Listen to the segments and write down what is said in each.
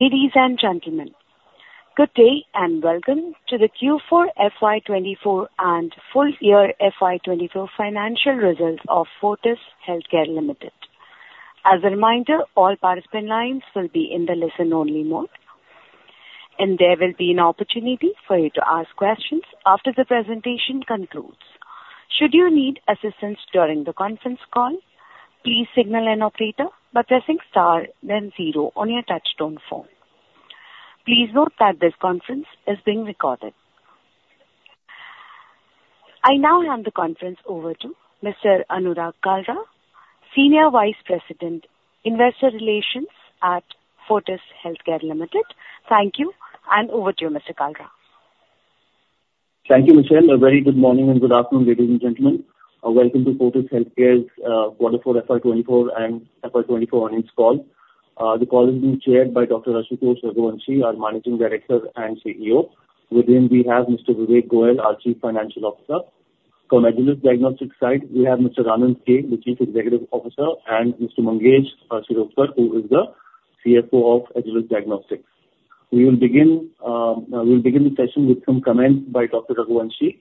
Ladies and gentlemen, good day, and welcome to the Q4 FY 2024 and full year FY 2024 financial results of Fortis Healthcare Limited. As a reminder, all participant lines will be in the listen-only mode, and there will be an opportunity for you to ask questions after the presentation concludes. Should you need assistance during the conference call, please signal an operator by pressing star then zero on your touchtone phone. Please note that this conference is being recorded. I now hand the conference over to Mr. Anurag Kalra, Senior Vice President, Investor Relations at Fortis Healthcare Limited. Thank you, and over to you, Mr. Kalra. Thank you, Michelle. A very good morning and good afternoon, ladies and gentlemen. Welcome to Fortis Healthcare's quarter four FY 24 and FY 24 earnings call. The call is being chaired by Dr. Ashutosh Raghuvanshi, our Managing Director and CEO. With him we have Mr. Vivek Goel, our Chief Financial Officer. From Agilus Diagnostics side, we have Mr. Anand K, the Chief Executive Officer, and Mr. Mangesh Shirodkar, who is the CFO of Agilus Diagnostics. We will begin the session with some comments by Dr. Raghuvanshi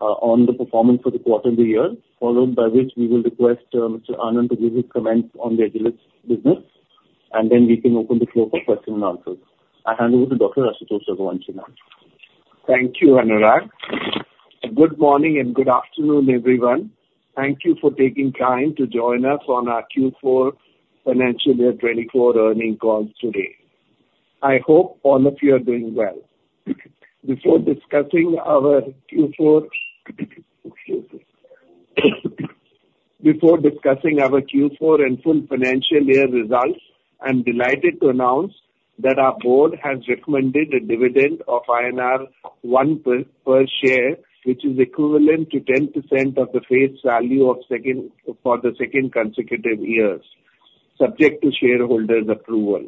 on the performance for the quarter of the year, followed by which we will request Mr. Anand to give his comments on the Agilus business, and then we can open the floor for questions and answers. I hand over to Dr. Ashutosh Raghuvanshi now. Thank you, Anurag. Good morning and good afternoon, everyone. Thank you for taking time to join us on our Q4 financial year 2024 earnings call today. I hope all of you are doing well. Before discussing our Q4 and full financial year results, I'm delighted to announce that our board has recommended a dividend of INR 1 per share, which is equivalent to 10% of the face value, for the second consecutive years, subject to shareholders' approval.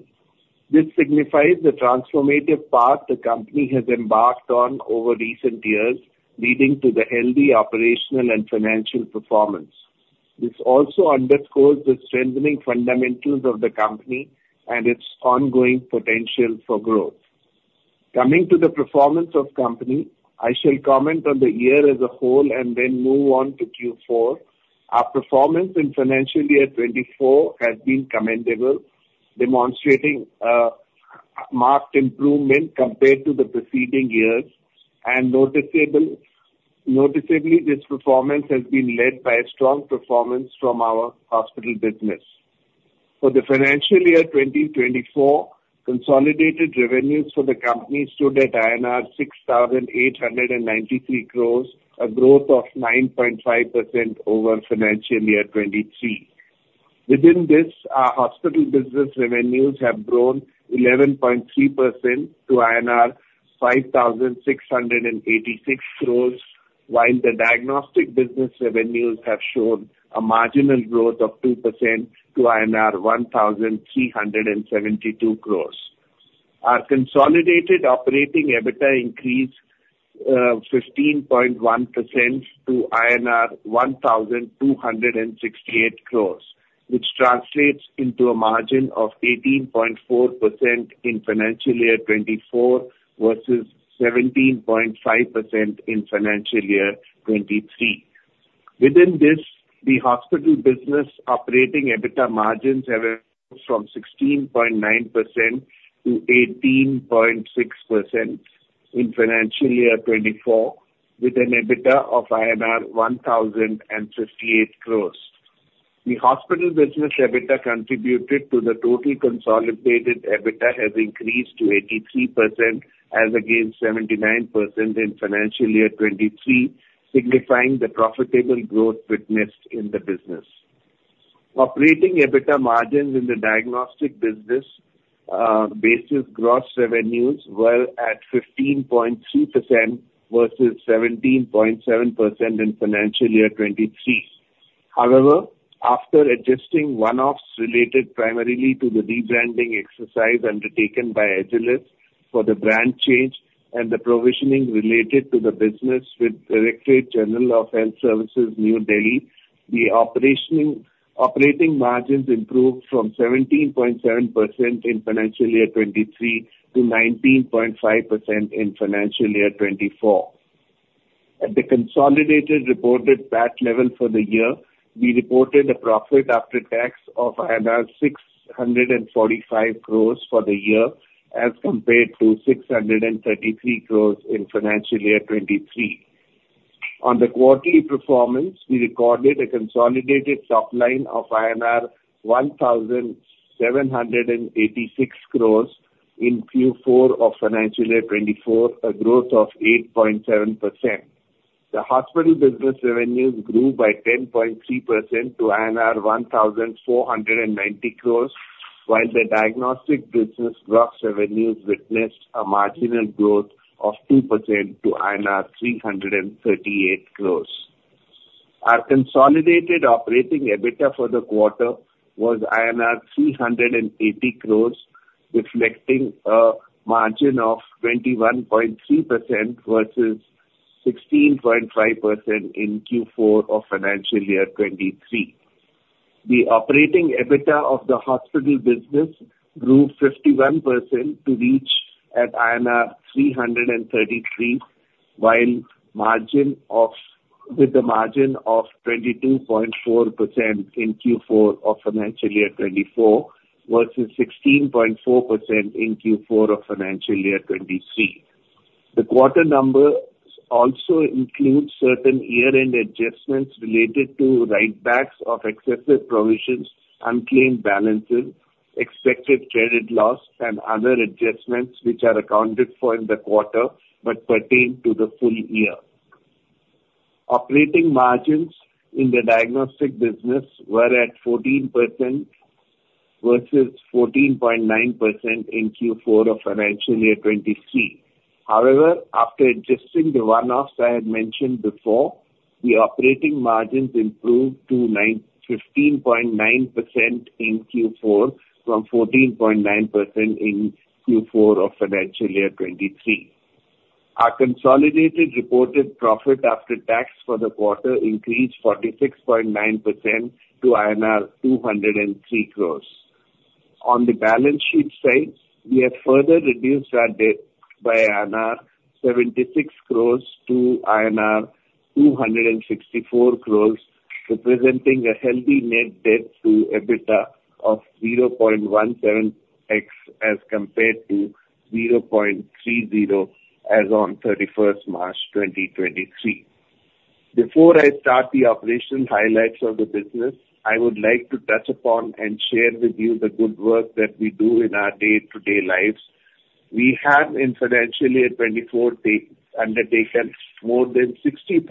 This signifies the transformative path the company has embarked on over recent years, leading to the healthy operational and financial performance. This also underscores the strengthening fundamentals of the company and its ongoing potential for growth. Coming to the performance of company, I shall comment on the year as a whole and then move on to Q4. Our performance in financial year 2024 has been commendable, demonstrating a marked improvement compared to the preceding years, and noticeably, this performance has been led by a strong performance from our hospital business. For the financial year 2024, consolidated revenues for the company stood at INR 6,893 crores, a growth of 9.5% over financial year 2023. Within this, our hospital business revenues have grown 11.3% to INR 5,686 crores, while the diagnostic business revenues have shown a marginal growth of 2% to INR 1,372 crores. Our consolidated operating EBITDA increased 15.1% to INR 1,268 crores, which translates into a margin of 18.4% in financial year 2024, versus 17.5% in financial year 2023. Within this, the hospital business operating EBITDA margins have increased from 16.9% to 18.6% in financial year 2024, with an EBITDA of 1,058 crores. The hospital business EBITDA contributed to the total consolidated EBITDA has increased to 83%, as against 79% in financial year 2023, signifying the profitable growth witnessed in the business. Operating EBITDA margins in the diagnostic business basis gross revenues were at 15.3% versus 17.7% in financial year 2023. However, after adjusting one-offs related primarily to the rebranding exercise undertaken by Agilus for the brand change and the provisioning related to the business with Directorate General of Health Services, New Delhi, the operating margins improved from 17.7% in financial year 2023 to 19.5% in financial year 2024. At the consolidated reported PAT level for the year, we reported a profit after tax of 645 crores for the year, as compared to 633 crores in financial year 2023. On the quarterly performance, we recorded a consolidated top line of INR 1,786 crores in Q4 of financial year 2024, a growth of 8.7%. The hospital business revenues grew by 10.3% to 1,490 crores, while the diagnostic business gross revenues witnessed a marginal growth of 2% to INR 338 crores. Our consolidated operating EBITDA for the quarter was INR 380 crores, reflecting a margin of 21.3% versus 16.5% in Q4 of financial year 2023. The operating EBITDA of the hospital business grew 51% to reach at INR 333 crores, with the margin of 22.4% in Q4 of financial year 2024, versus 16.4% in Q4 of financial year 2023. The quarter numbers also include certain year-end adjustments related to write-backs of excessive provisions, unclaimed balances, expected credit loss, and other adjustments which are accounted for in the quarter, but pertain to the full year. Operating margins in the diagnostic business were at 14% versus 14.9% in Q4 of financial year 2023. However, after adjusting the one-offs I had mentioned before, the operating margins improved to 15.9% in Q4, from 14.9% in Q4 of financial year 2023. Our consolidated reported profit after tax for the quarter increased 46.9% to INR 203 crore. On the balance sheet side, we have further reduced our debt by INR 76 crores to INR 264 crores, representing a healthy net debt to EBITDA of 0.17x, as compared to 0.30 as on March 31, 2023. Before I start the operational highlights of the business, I would like to touch upon and share with you the good work that we do in our day-to-day lives. We have, in financial year 2024, undertaken more than 60,000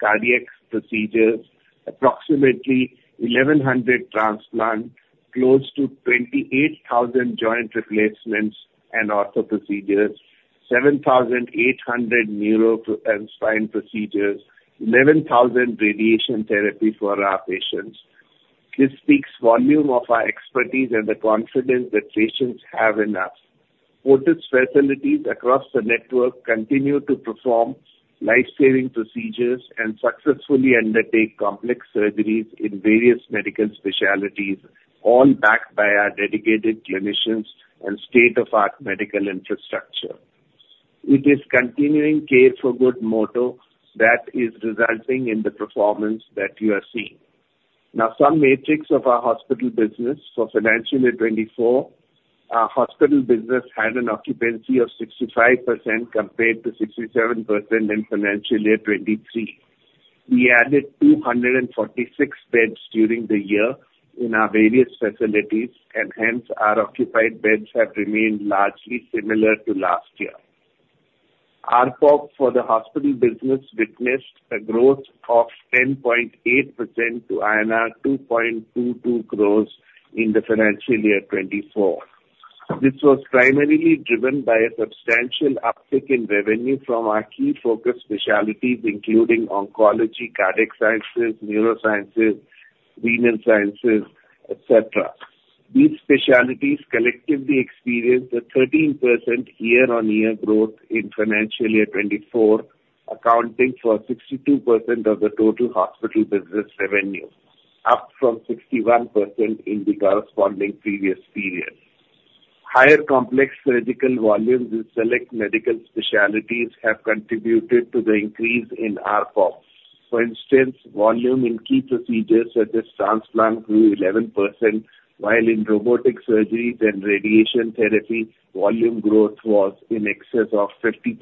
cardiac procedures, approximately 1,100 transplants, close to 28,000 joint replacements and ortho procedures, 7,800 neuro procedures and spine procedures, 11,000 radiation therapy for our patients. This speaks volumes of our expertise and the confidence that patients have in us. Fortis facilities across the network continue to perform life-saving procedures and successfully undertake complex surgeries in various medical specialties, all backed by our dedicated clinicians and state-of-the-art medical infrastructure. It is continuing Care for Good motto that is resulting in the performance that you are seeing. Now, some metrics of our hospital business. For financial year 2024, our hospital business had an occupancy of 65%, compared to 67% in financial year 2023. We added 246 beds during the year in our various facilities, and hence our occupied beds have remained largely similar to last year. ARPOB for the hospital business witnessed a growth of 10.8% to INR 2.22 crores in the financial year 2024. This was primarily driven by a substantial uptick in revenue from our key focus specialties, including oncology, cardiac sciences, neurosciences, renal sciences, et cetera. These specialties collectively experienced a 13% year-on-year growth in financial year 2024, accounting for 62% of the total hospital business revenue, up from 61% in the corresponding previous period. Higher complex surgical volumes in select medical specialties have contributed to the increase in ARPOB. For instance, volume in key procedures such as transplant grew 11%, while in robotic surgeries and radiation therapy, volume growth was in excess of 50%.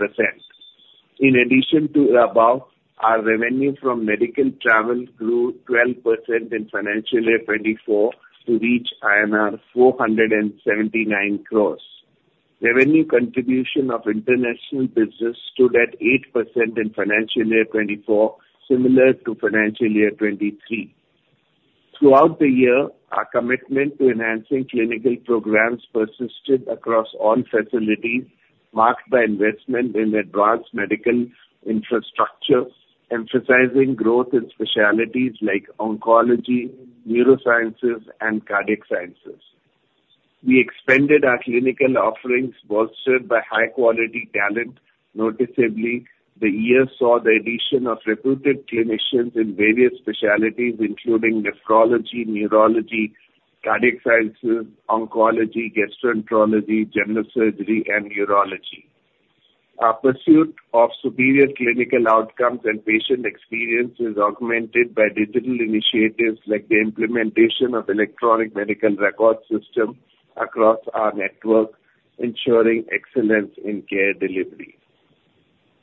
In addition to the above, our revenue from medical travel grew 12% in financial year 2024 to reach INR 479 crore. Revenue contribution of international business stood at 8% in financial year 2024, similar to financial year 2023. Throughout the year, our commitment to enhancing clinical programs persisted across all facilities, marked by investment in advanced medical infrastructure, emphasizing growth in specialties like oncology, neurosciences, and cardiac sciences. We expanded our clinical offerings, bolstered by high-quality talent. Noticeably, the year saw the addition of recruited clinicians in various specialties, including nephrology, neurology, cardiac sciences, oncology, gastroenterology, general surgery, and urology. Our pursuit of superior clinical outcomes and patient experience is augmented by digital initiatives like the implementation of Electronic Medical Record system across our network, ensuring excellence in care delivery.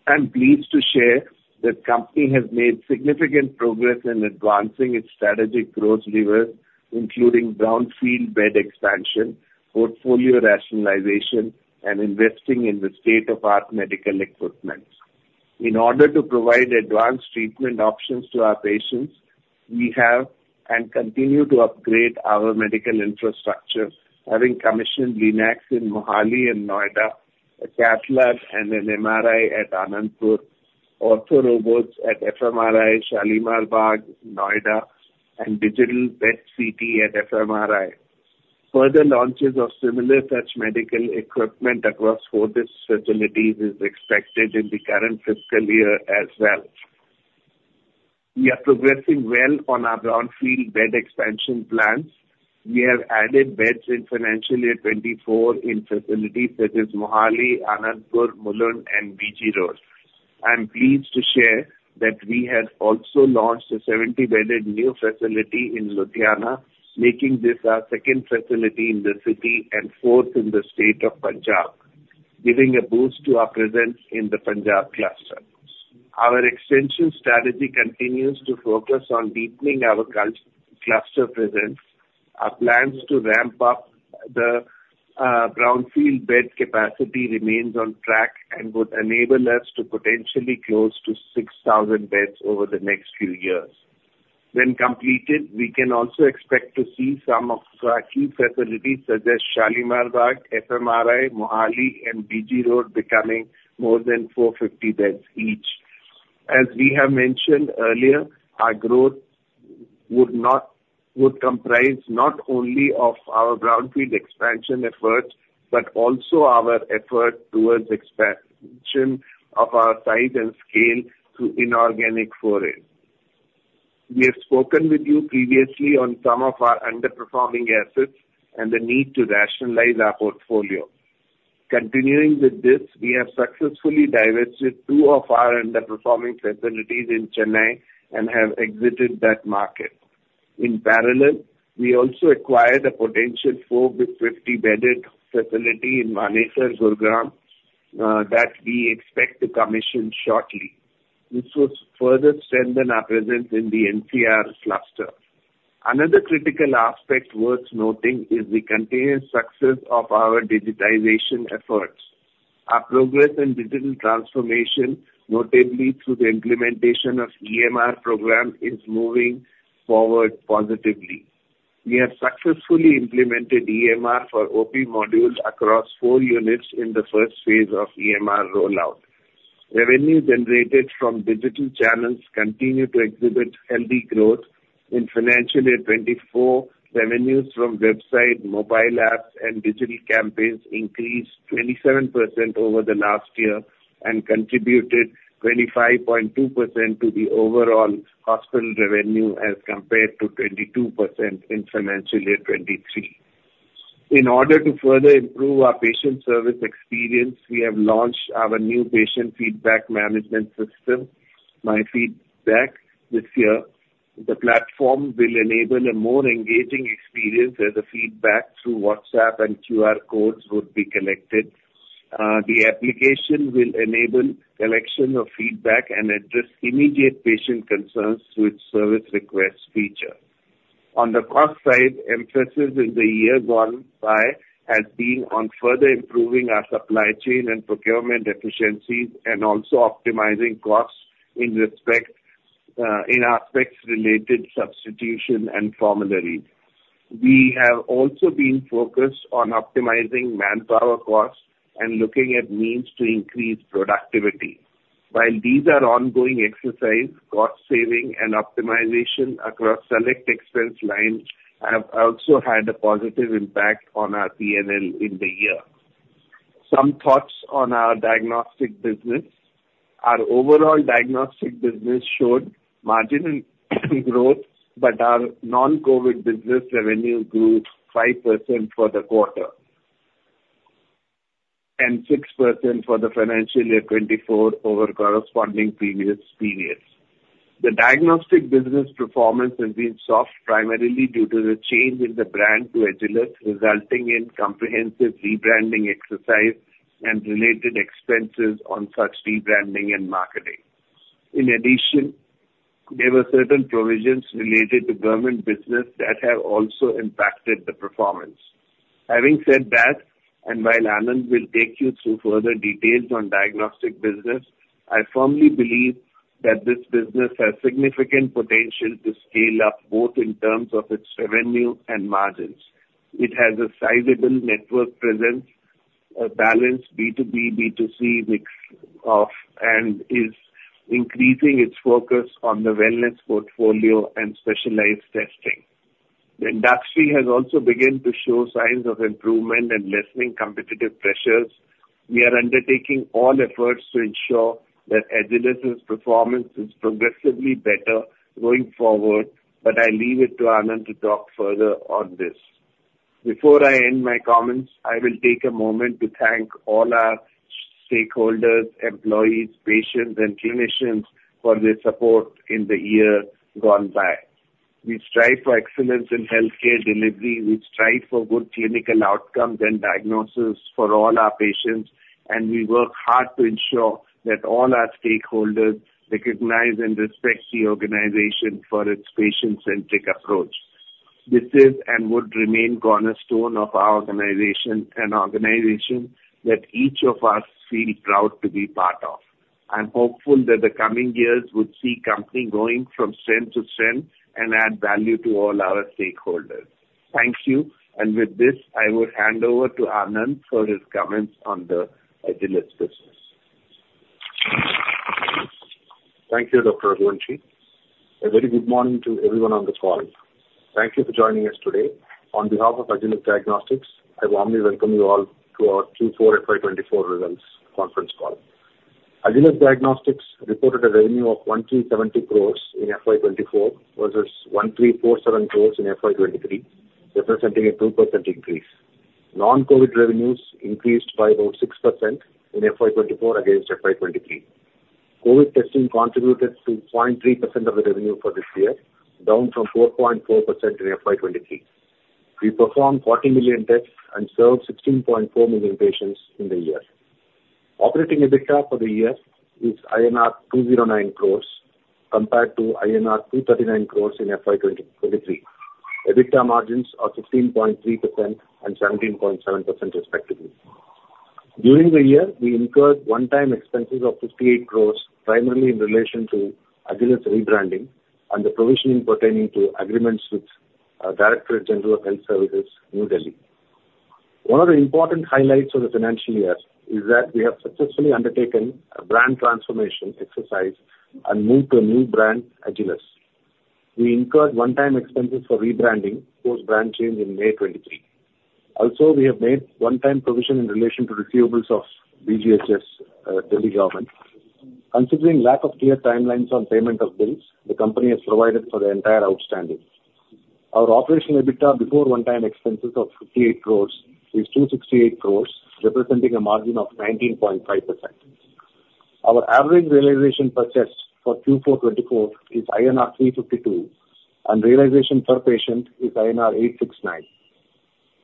I'm pleased to share the company has made significant progress in advancing its strategic growth levers, including brownfield bed expansion, portfolio rationalization, and investing in the state-of-the-art medical equipment. In order to provide advanced treatment options to our patients, we have and continue to upgrade our medical infrastructure, having commissioned LINAC in Mohali and Noida, a cath lab and an MRI at Anandapur, ortho robots at FMRI, Shalimar Bagh, Noida, and digital PET-CT at FMRI... Further launches of similar such medical equipment across four facilities is expected in the current fiscal year as well. We are progressing well on our brownfield bed expansion plans. We have added beds in financial year 2024 in facilities such as Mohali, Anandapur, Mulund, and BG Road. I am pleased to share that we have also launched a 70-bedded new facility in Ludhiana, making this our second facility in the city and fourth in the state of Punjab, giving a boost to our presence in the Punjab cluster. Our extension strategy continues to focus on deepening our cluster presence. Our plans to ramp up the brownfield bed capacity remains on track and would enable us to potentially close to 6,000 beds over the next few years. When completed, we can also expect to see some of our key facilities, such as Shalimar Bagh, FMRI, Mohali and BG Road, becoming more than 450 beds each. As we have mentioned earlier, our growth would comprise not only of our brownfield expansion efforts, but also our effort towards expansion of our size and scale through inorganic foray. We have spoken with you previously on some of our underperforming assets and the need to rationalize our portfolio. Continuing with this, we have successfully divested two of our underperforming facilities in Chennai and have exited that market. In parallel, we also acquired a potential 450-bedded facility in Manesar, Gurgaon, that we expect to commission shortly, which would further strengthen our presence in the NCR cluster. Another critical aspect worth noting is the continuous success of our digitization efforts. Our progress in digital transformation, notably through the implementation of EMR program, is moving forward positively. We have successfully implemented EMR for OP modules across four units in the first phase of EMR rollout. Revenue generated from digital channels continue to exhibit healthy growth. In financial year 2024, revenues from website, mobile apps, and digital campaigns increased 27% over the last year and contributed 25.2% to the overall hospital revenue, as compared to 22% in financial year 2023. In order to further improve our patient service experience, we have launched our new patient feedback management system, MyFeedback, this year. The platform will enable a more engaging experience, as a feedback through WhatsApp and QR codes would be collected. The application will enable collection of feedback and address immediate patient concerns through its service request feature. On the cost side, emphasis in the year gone by has been on further improving our supply chain and procurement efficiencies, and also optimizing costs in respect, in aspects related substitution and formulary. We have also been focused on optimizing manpower costs and looking at means to increase productivity. While these are ongoing exercise, cost saving and optimization across select expense lines have also had a positive impact on our PNL in the year. Some thoughts on our diagnostic business. Our overall diagnostic business showed marginal growth, but our non-COVID business revenue grew 5% for the quarter, and 6% for the financial year 2024 over corresponding previous periods. The diagnostic business performance has been soft, primarily due to the change in the brand to Agilus, resulting in comprehensive rebranding exercise and related expenses on such rebranding and marketing. In addition, there were certain provisions related to government business that have also impacted the performance. Having said that, and while Anand will take you through further details on diagnostic business, I firmly believe that this business has significant potential to scale up, both in terms of its revenue and margins. It has a sizable network presence, a balanced B2B, B2C mix of, and is increasing its focus on the wellness portfolio and specialized testing. The industry has also begun to show signs of improvement and lessening competitive pressures. We are undertaking all efforts to ensure that Agilus's performance is progressively better going forward, but I leave it to Anand to talk further on this. Before I end my comments, I will take a moment to thank all our stakeholders, employees, patients, and clinicians for their support in the year gone by. We strive for excellence in healthcare delivery. We strive for good clinical outcomes and diagnosis for all our patients, and we work hard to ensure that all our stakeholders recognize and respect the organization for its patient-centric approach. This is, and would remain, cornerstone of our organization, an organization that each of us feel proud to be part of. I'm hopeful that the coming years would see company going from strength to strength and add value to all our stakeholders. Thank you. And with this, I will hand over to Anand for his comments on the Agilus business. Thank you, Dr. Raghuvanshi. A very good morning to everyone on this call. Thank you for joining us today. On behalf of Agilus Diagnostics, I warmly welcome you all to our Q4 FY 2024 results conference call. Agilus Diagnostics reported a revenue of 1,370 crores in FY 2024, versus 1,347 crores in FY 2023, representing a 2% increase. Non-COVID revenues increased by about 6% in FY 2024 against FY 2023. COVID testing contributed to 0.3% of the revenue for this year, down from 4.4% in FY 2023. We performed 40 million tests and served 16.4 million patients in the year. Operating EBITDA for the year is INR 209 crores, compared to INR 239 crores in FY 2023. EBITDA margins are 16.3% and 17.7% respectively. During the year, we incurred one-time expenses of 58 crores, primarily in relation to Agilus rebranding and the provisioning pertaining to agreements with Directorate General of Health Services, New Delhi. One of the important highlights of the financial year is that we have successfully undertaken a brand transformation exercise and moved to a new brand, Agilus. We incurred one-time expenses for rebranding, post brand change in May 2023. Also, we have made one-time provision in relation to receivables of DGHS, Delhi government. Considering lack of clear timelines on payment of bills, the company has provided for the entire outstanding. Our operational EBITDA before one-time expenses of 58 crore is 268 crore, representing a margin of 19.5%. Our average realization per test for Q4 2024 is INR 352, and realization per patient is INR 869.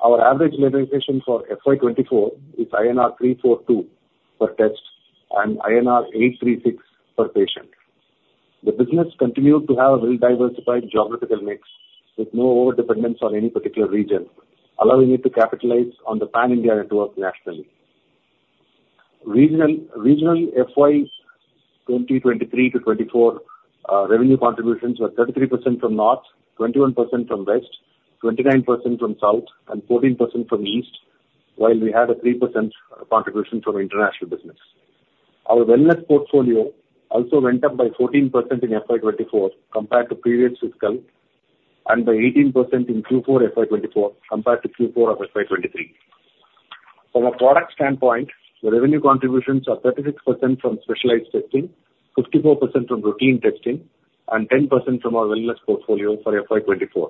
Our average realization for FY 2024 is INR 342 per test and INR 836 per patient. The business continued to have a well-diversified geographical mix, with no overdependence on any particular region, allowing it to capitalize on the pan-India network nationally. Regional FY 2023 to 2024, revenue contributions were 33% from north, 21% from west, 29% from south, and 14% from east, while we had a 3% contribution from international business. Our wellness portfolio also went up by 14% in FY 2024 compared to previous fiscal, and by 18% in Q4 FY 2024 compared to Q4 of FY 2023. From a product standpoint, the revenue contributions are 36% from specialized testing, 54% from routine testing, and 10% from our wellness portfolio for FY 2024.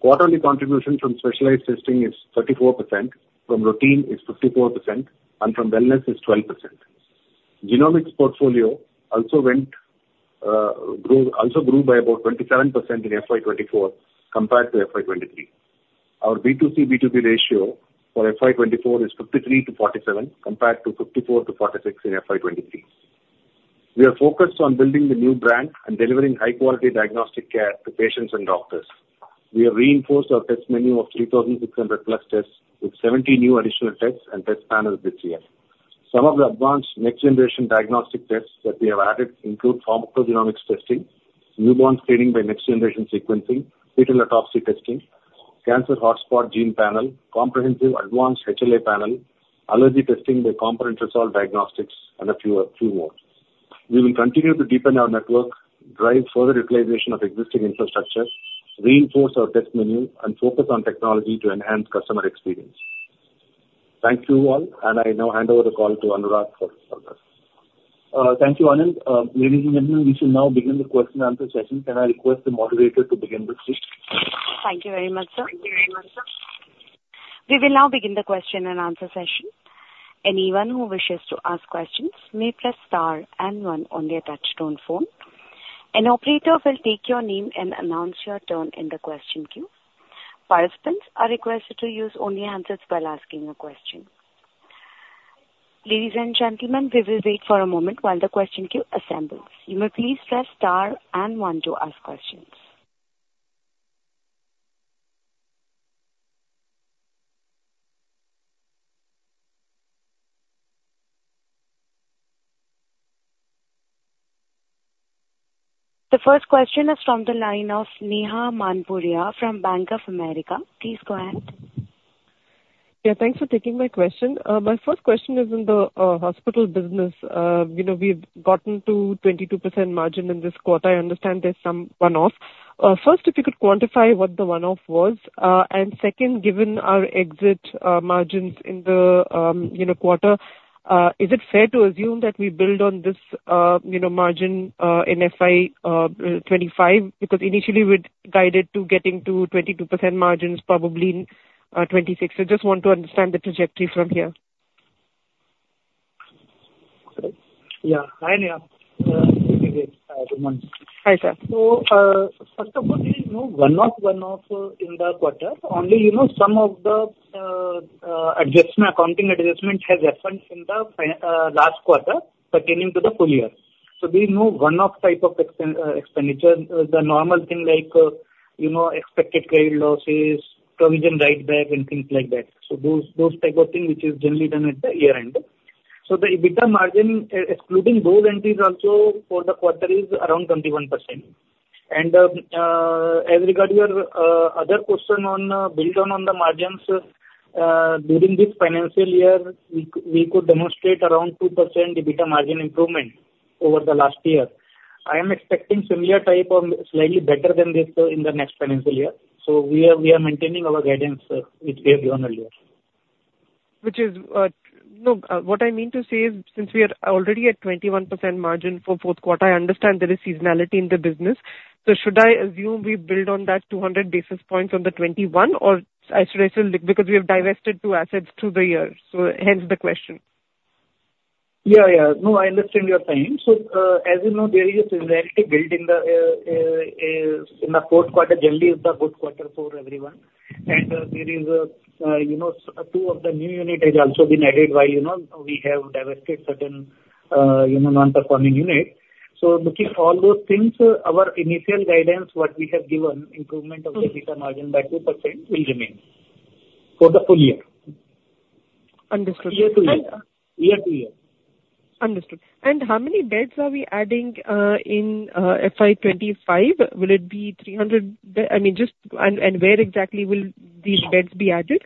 Quarterly contribution from specialized testing is 34%, from routine is 54%, and from wellness is 12%. Genomics portfolio also went, grew, also grew by about 27% in FY 2024 compared to FY 2023. Our B2C, B2B ratio for FY 2024 is 53/47, compared to 54/46 in FY 2023. We are focused on building the new brand and delivering high-quality diagnostic care to patients and doctors. We have reinforced our test menu of 3,600+ tests, with 70 new additional tests and test panels this year. Some of the advanced next-generation diagnostic tests that we have added include pharmacogenomics testing, newborn screening by next-generation sequencing, fetal autopsy testing, cancer hotspot gene panel, comprehensive advanced HLA panel, allergy testing by component resolved diagnostics, and a few, few more. We will continue to deepen our network, drive further utilization of existing infrastructure, reinforce our test menu, and focus on technology to enhance customer experience. Thank you all, and I now hand over the call to Anurag for further. Thank you, Anand. Ladies and gentlemen, we shall now begin the question and answer session. Can I request the moderator to begin the session? Thank you very much, sir. We will now begin the question and answer session. Anyone who wishes to ask questions may press star and one on their touchtone phone. An operator will take your name and announce your turn in the question queue. Participants are requested to use only handsets while asking a question. Ladies and gentlemen, we will wait for a moment while the question queue assembles. You may please press star and one to ask questions. The first question is from the line of Neha Manpuria from Bank of America. Please go ahead. Yeah, thanks for taking my question. My first question is in the hospital business. You know, we've gotten to 22% margin in this quarter. I understand there's some one-off. First, if you could quantify what the one-off was. And second, given our exit margins in the, you know, quarter, is it fair to assume that we build on this, you know, margin in FY 25? Because initially we'd guided to getting to 22% margins probably in 26. So just want to understand the trajectory from here. Yeah. Hi, Neha, good evening. Hi, good morning. Hi, sir. So, first of all, you know, one-off, one-off in the quarter, only, you know, some of the adjustment, accounting adjustments has arisen from the last quarter pertaining to the full year. So there's no one-off type of expenditure. The normal thing like, you know, expected credit losses, provision write-back, and things like that. So those, those type of thing, which is generally done at the year-end. So the EBITDA margin, excluding those entries also for the quarter, is around 21%.... As regards your other question on build on the margins during this financial year, we could demonstrate around 2% EBITDA margin improvement over the last year. I am expecting similar type of slightly better than this in the next financial year. So we are maintaining our guidance which we have given earlier. Which is, no, what I mean to say is, since we are already at 21% margin for Q4, I understand there is seasonality in the business. So should I assume we build on that 200 basis points on the 21, or I should assume because we have divested 2 assets through the year, so hence the question? Yeah, yeah. No, I understand your point. So, as you know, there is a seasonality built in the, in the Q4. Generally, is the good quarter for everyone. And, there is, you know, two of the new unit has also been added while, you know, we have divested certain, you know, non-performing units. So looking all those things, our initial guidance, what we have given, improvement of- Mm. EBITDA margin by 2% will remain for the full year. Understood. year-over-year. Understood. And how many beds are we adding in FY 2025? Will it be 300? I mean, just... And where exactly will these beds be added?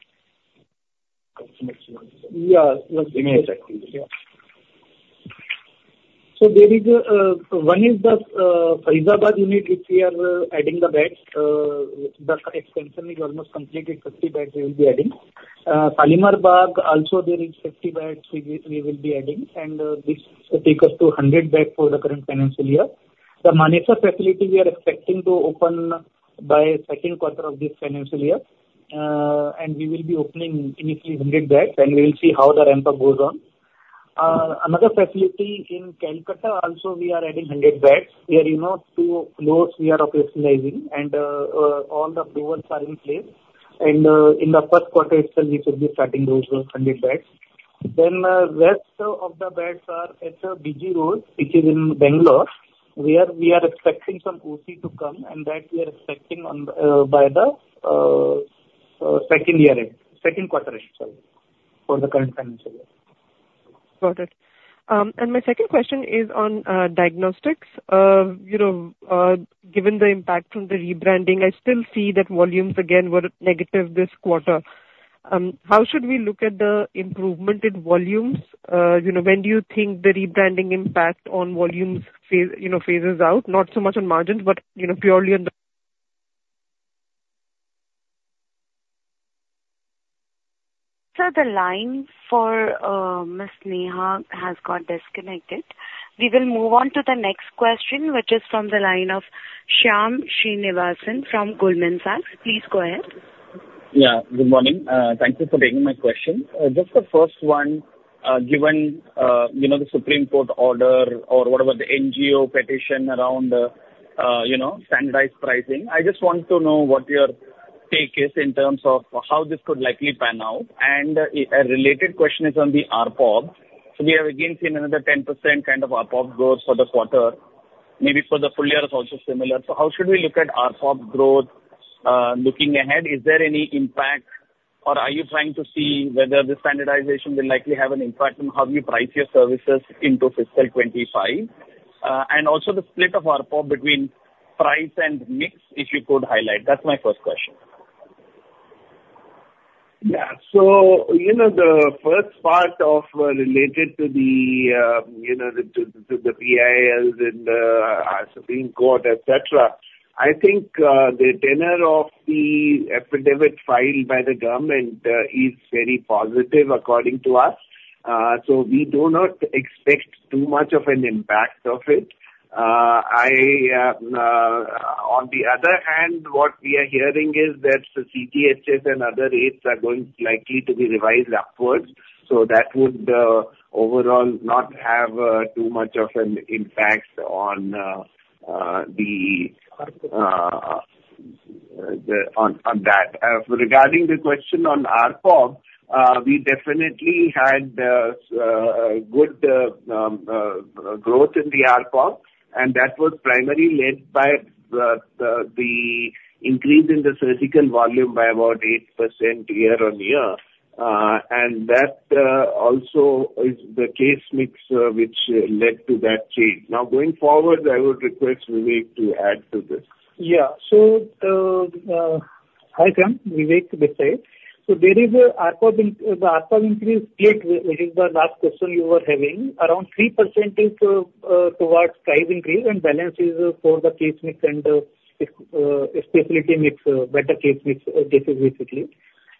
Yeah, yes, exactly. Yeah. So there is a one is the Faridabad unit, which we are adding the beds. The expansion is almost completed, 50 beds we will be adding. Kalyan also there is 50 beds we will be adding, and this will take us to 100 beds for the current financial year. The Manesar facility, we are expecting to open by Q2 of this financial year. And we will be opening initially 100 beds, and we will be seeing how the ramp-up goes on. Another facility in Kolkata also we are adding 100 beds. Where, you know, 2 floors we are operationalizing, and all the floors are in place. And in the Q1 itself, we should be starting those 100 beds. Then, rest of the beds are at BG Road, which is in Bangalore, where we are expecting some OC to come, and that we are expecting by the Q2 end, sorry, for the current financial year. Got it. And my second question is on diagnostics. You know, given the impact from the rebranding, I still see that volumes again were negative this quarter. How should we look at the improvement in volumes? You know, when do you think the rebranding impact on volumes phase, you know, phases out, not so much on margins, but, you know, purely on the- Sir, the line for Miss Neha has got disconnected. We will move on to the next question, which is from the line of Shyam Srinivasan from Goldman Sachs. Please go ahead. Yeah, good morning. Thank you for taking my question. Just the first one, given, you know, the Supreme Court order or what about the NGO petition around, you know, standardized pricing, I just want to know what your take is in terms of how this could likely pan out. And, a related question is on the ARPOB. So we have again seen another 10% kind of ARPOB growth for the quarter, maybe for the full year is also similar. So how should we look at ARPOB growth? Looking ahead, is there any impact, or are you trying to see whether this standardization will likely have an impact on how you price your services into fiscal 2025? And also the split of ARPOB between price and mix, if you could highlight. That's my first question. Yeah. So, you know, the first part related to the PILs and Supreme Court, et cetera, I think the tenor of the affidavit filed by the government is very positive according to us. So we do not expect too much of an impact of it. On the other hand, what we are hearing is that the CGHS and other rates are going likely to be revised upwards, so that would overall not have too much of an impact on that. Regarding the question on ARPOB, we definitely had a good growth in the ARPOB, and that was primarily led by the increase in the surgical volume by about 8% year-on-year. And that also is the case mix, which led to that change. Now, going forward, I would request Vivek to add to this. Yeah. So, hi, Shyam. Vivek this side. So there is a ARPOB in the ARPOB increase split, which is the last question you were having, around 3% is towards price increase, and balance is for the case mix and specialty mix, better case mix, this is basically.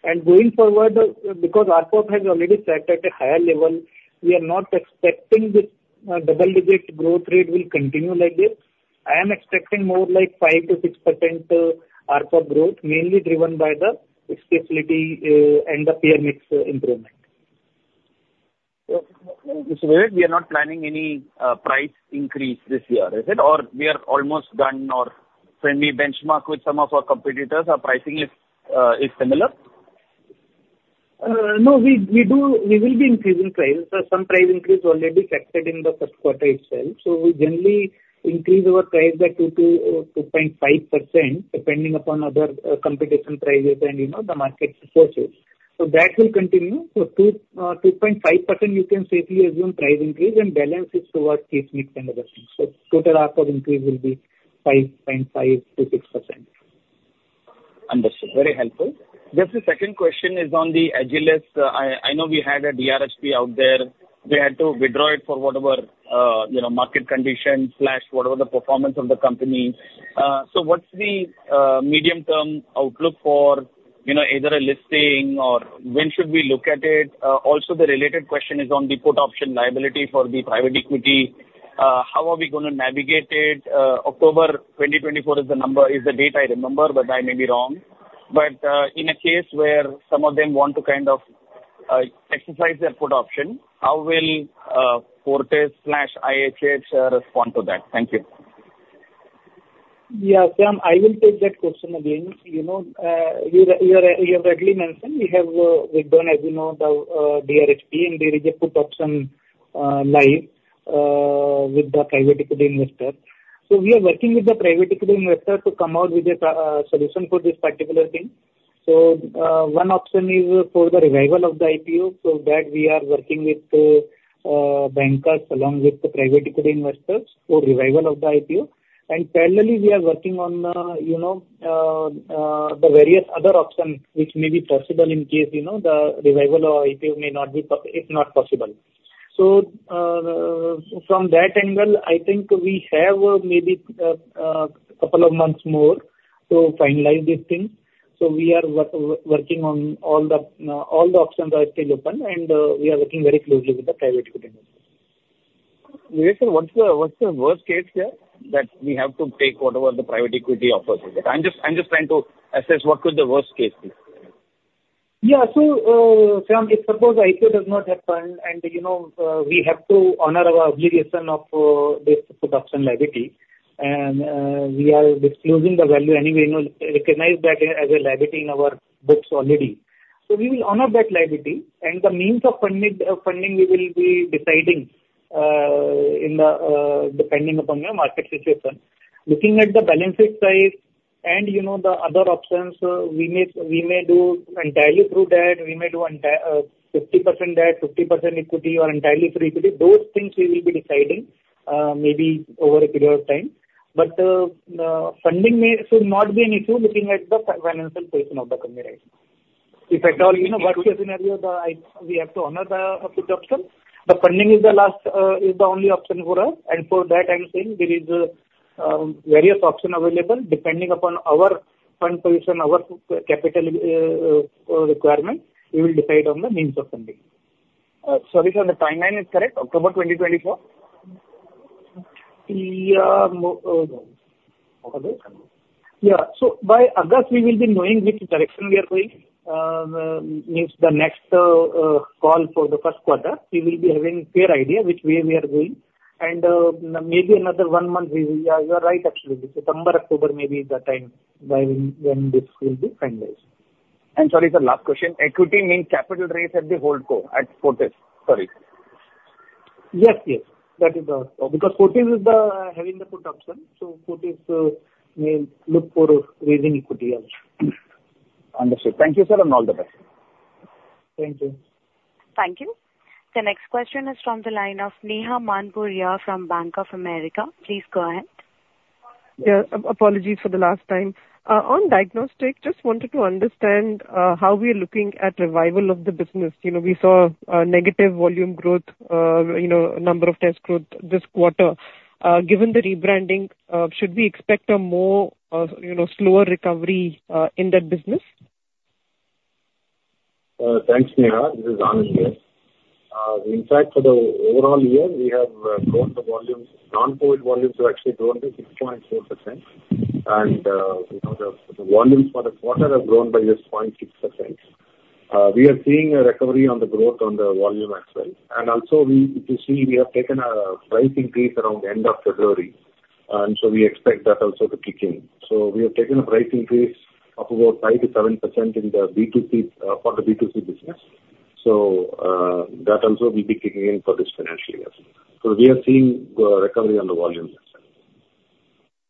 And going forward, because ARPOB has already set at a higher level, we are not expecting the double-digit growth rate will continue like this. I am expecting more like 5%-6%, ARPOB growth, mainly driven by the specialty and the peer mix improvement. Mr. Vivek, we are not planning any price increase this year, is it? Or we are almost done, or when we benchmark with some of our competitors, our pricing is similar? No, we will be increasing prices. Some price increase already factored in the Q1 itself. So we generally increase our price by 2-2.5%, depending upon other competition prices and, you know, the market forces.... So that will continue. So 2-2.5% you can safely assume price increase, and balance is towards case mix and other things. So total ARPOB increase will be 5.5%-6%. Understood. Very helpful. Just the second question is on the Agilus. I know we had a DRHP out there. We had to withdraw it for whatever, you know, market conditions slash whatever the performance of the company. So what's the medium-term outlook for, you know, either a listing or when should we look at it? Also the related question is on the put option liability for the private equity. How are we gonna navigate it? October 2024 is the number, is the date I remember, but I may be wrong. But, in a case where some of them want to kind of exercise their put option, how will Fortis slash IHH respond to that? Thank you. Yeah, Sam, I will take that question again. You know, you have rightly mentioned, we have withdrawn, as you know, the DRHP, and there is a put option live with the private equity investor. So we are working with the private equity investor to come out with a solution for this particular thing. So, one option is for the revival of the IPO, so that we are working with bankers along with the private equity investors for revival of the IPO. And parallelly, we are working on, you know, the various other options which may be possible in case, you know, the revival of IPO is not possible. So, from that angle, I think we have maybe a couple of months more to finalize this thing. So we are working on all the options are still open, and we are working very closely with the private equity investors. Yes, sir, what's the worst case here, that we have to take whatever the private equity offers us? I'm just trying to assess what could the worst case be? Yeah. So, Sam, if suppose IPO does not happen, and, you know, we have to honor our obligation of this put option liability, and we are disclosing the value anyway, you know, recognize that as a liability in our books already. So we will honor that liability, and the means of funding we will be deciding in the depending upon the market situation. Looking at the balance sheet size and, you know, the other options, we may do entirely through debt, we may do entirely 50% debt, 50% equity, or entirely through equity. Those things we will be deciding maybe over a period of time. But funding may should not be an issue, looking at the financial position of the company right now. If at all, you know, worst case scenario, we have to honor the put option, the funding is the last, is the only option for us, and for that, I'm saying there is various option available. Depending upon our fund position, our capital requirement, we will decide on the means of funding. Sorry, sir, the timeline is correct, October 2024? Yeah. So by August, we will be knowing which direction we are going. Means the next call for the Q1, we will be having clear idea which way we are going. And maybe another one month, we will... You are right, actually. September, October may be the time when this will be finalized. Sorry, sir, last question. Equity means capital raise at the hold co, at Fortis? Sorry. Yes, yes. That is the... Because Fortis is the having the put option, so Fortis may look for raising equity as well. Understood. Thank you, sir, and all the best. Thank you. Thank you. The next question is from the line of Neha Manpuria from Bank of America. Please go ahead. Yeah. Apologies for the last time. On diagnostic, just wanted to understand how we are looking at revival of the business. You know, we saw negative volume growth, you know, number of test growth this quarter. Given the rebranding, should we expect a more, you know, slower recovery in that business? Thanks, Neha. This is Anand here. In fact, for the overall year, we have grown the volumes. Non-COVID volumes have actually grown to 6.4%. And, you know, the volumes for the quarter have grown by just 0.6%. We are seeing a recovery on the growth on the volume as well. And also we, if you see, we have taken a price increase around the end of February, and so we expect that also to kick in. So we have taken a price increase of about 5%-7% in the B2C, for the B2C business. So, that also will be kicking in for this financial year. So we are seeing recovery on the volumes as well.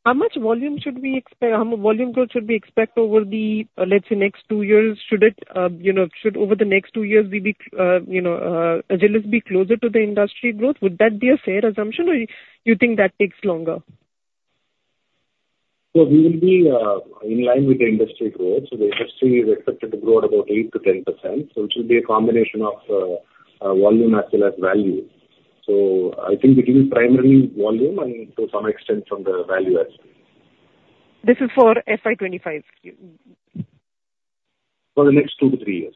How much volume should we expect... volume growth should we expect over the, let's say, next two years? Should it, you know, should over the next two years, we be, you know, Agilus be closer to the industry growth? Would that be a fair assumption, or you think that takes longer? So we will be in line with the industry growth. So the industry is expected to grow at about 8%-10%, so it should be a combination of volume as well as value. So I think it is primarily volume and to some extent from the value as well. This is for FY 25? For the next 2-3 years.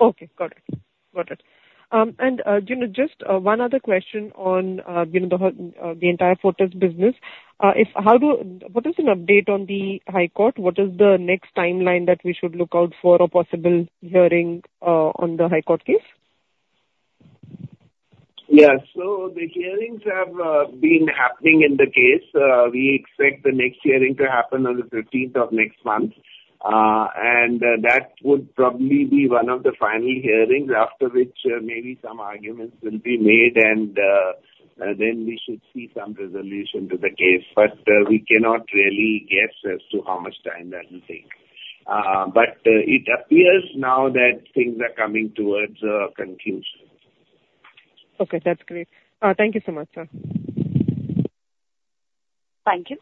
Okay, got it. Got it. And, you know, just one other question on, you know, the entire Fortis business. What is an update on the High Court? What is the next timeline that we should look out for a possible hearing on the High Court case? Yeah. So the hearings have been happening in the case. We expect the next hearing to happen on the fifteenth of next month. And that would probably be one of the final hearings, after which maybe some arguments will be made and-... then we should see some resolution to the case, but we cannot really guess as to how much time that will take. But it appears now that things are coming towards a conclusion. Okay, that's great. Thank you so much, sir. Thank you.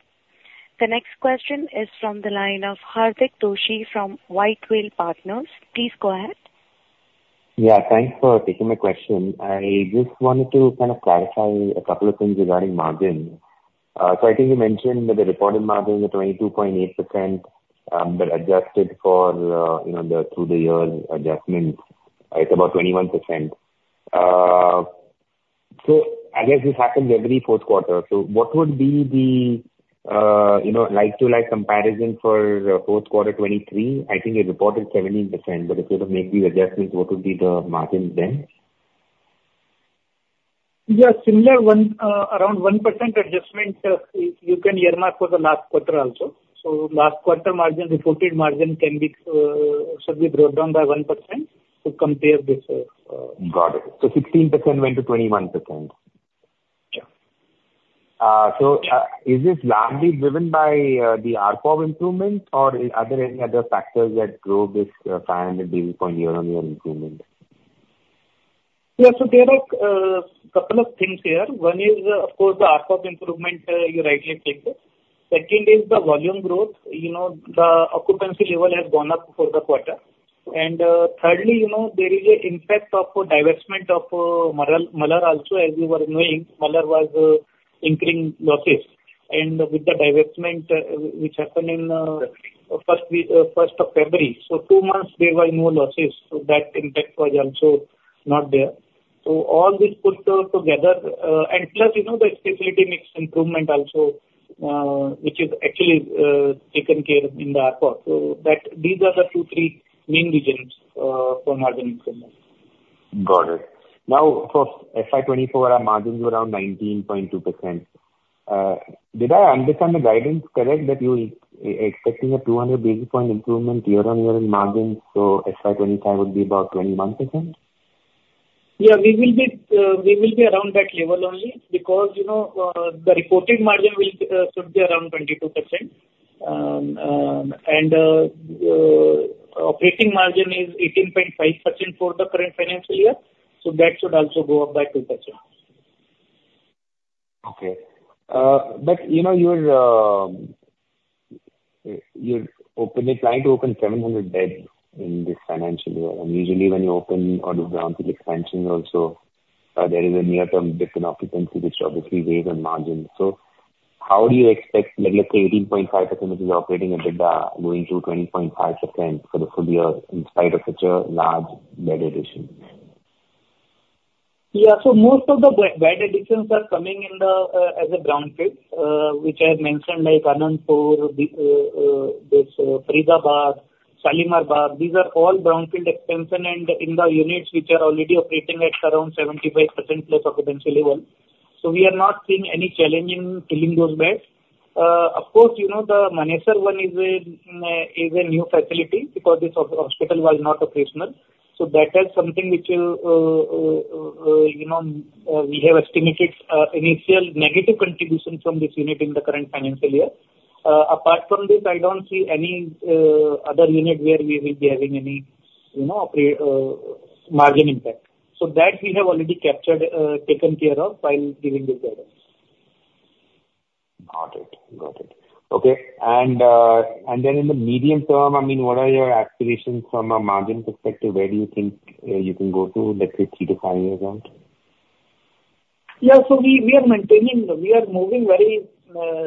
The next question is from the line of Hardik Doshi from White Whale Partners. Please go ahead. Yeah, thanks for taking my question. I just wanted to kind of clarify a couple of things regarding margin. So I think you mentioned that the reported margin is a 22.8%, but adjusted for, you know, the through the year adjustments, it's about 21%. So I guess this happens every Q4. So what would be the, you know, like to like comparison for Q4 2023? I think you reported 17%, but if you were to make the adjustments, what would be the margin then? Yeah, similar one, around 1% adjustment, you, you can earmark for the last quarter also. So last quarter margin, reported margin can be, should be brought down by 1% to compare this. Got it. So 16% went to 21%? Yeah. So, is this largely driven by the ARPOB improvements, or are there any other factors that drove this 500 basis point year-on-year improvement? Yeah, so there are a couple of things here. One is, of course, the ARPOB improvement, you rightly said it. Second is the volume growth. You know, the occupancy level has gone up for the quarter. And, thirdly, you know, there is an impact of divestment of Malar, Malar also. As you are knowing, Malar was incurring losses. And with the divestment, which happened in first week of February, so two months there were no losses, so that impact was also not there. So all this put together... And plus, you know, the facility mix improvement also, which is actually taken care of in the ARPOB. So that, these are the two, three main reasons for margin improvement. Got it. Now, for FY 2024, our margins were around 19.2%. Did I understand the guidance correct, that you expecting a 200 basis point improvement year-on-year in margin, so FY 2025 would be about 21%? Yeah, we will be around that level only because, you know, the reported margin should be around 22%. Operating margin is 18.5% for the current financial year, so that should also go up by 2%. Okay. But you know, you are planning to open 700 beds in this financial year, and usually when you open all the greenfield expansion also, there is a near-term dip in occupancy, which obviously weighs on margins. So how do you expect, like, let's say, 18.5%, which is operating EBITDA, going to 20.5% for the full year in spite of such a large bed addition? Yeah. So most of the bed additions are coming in the as a brownfield, which I have mentioned, like, Anandapur, the there's Faridabad, Shalimar Bagh. These are all brownfield expansion, and in the units which are already operating at around 75%+ occupancy level. So we are not seeing any challenge in filling those beds. Of course, you know, the Manesar one is a is a new facility because this hospital was not operational. So that is something which will, you know, we have estimated initial negative contribution from this unit in the current financial year. Apart from this, I don't see any other unit where we will be having any, you know, pre-margin impact. So that we have already captured taken care of while giving this guidance. Got it. Got it. Okay, and, and then in the medium term, I mean, what are your aspirations from a margin perspective? Where do you think, you can go to, let's say, three to five years out? Yeah. So we are maintaining the... We are moving very,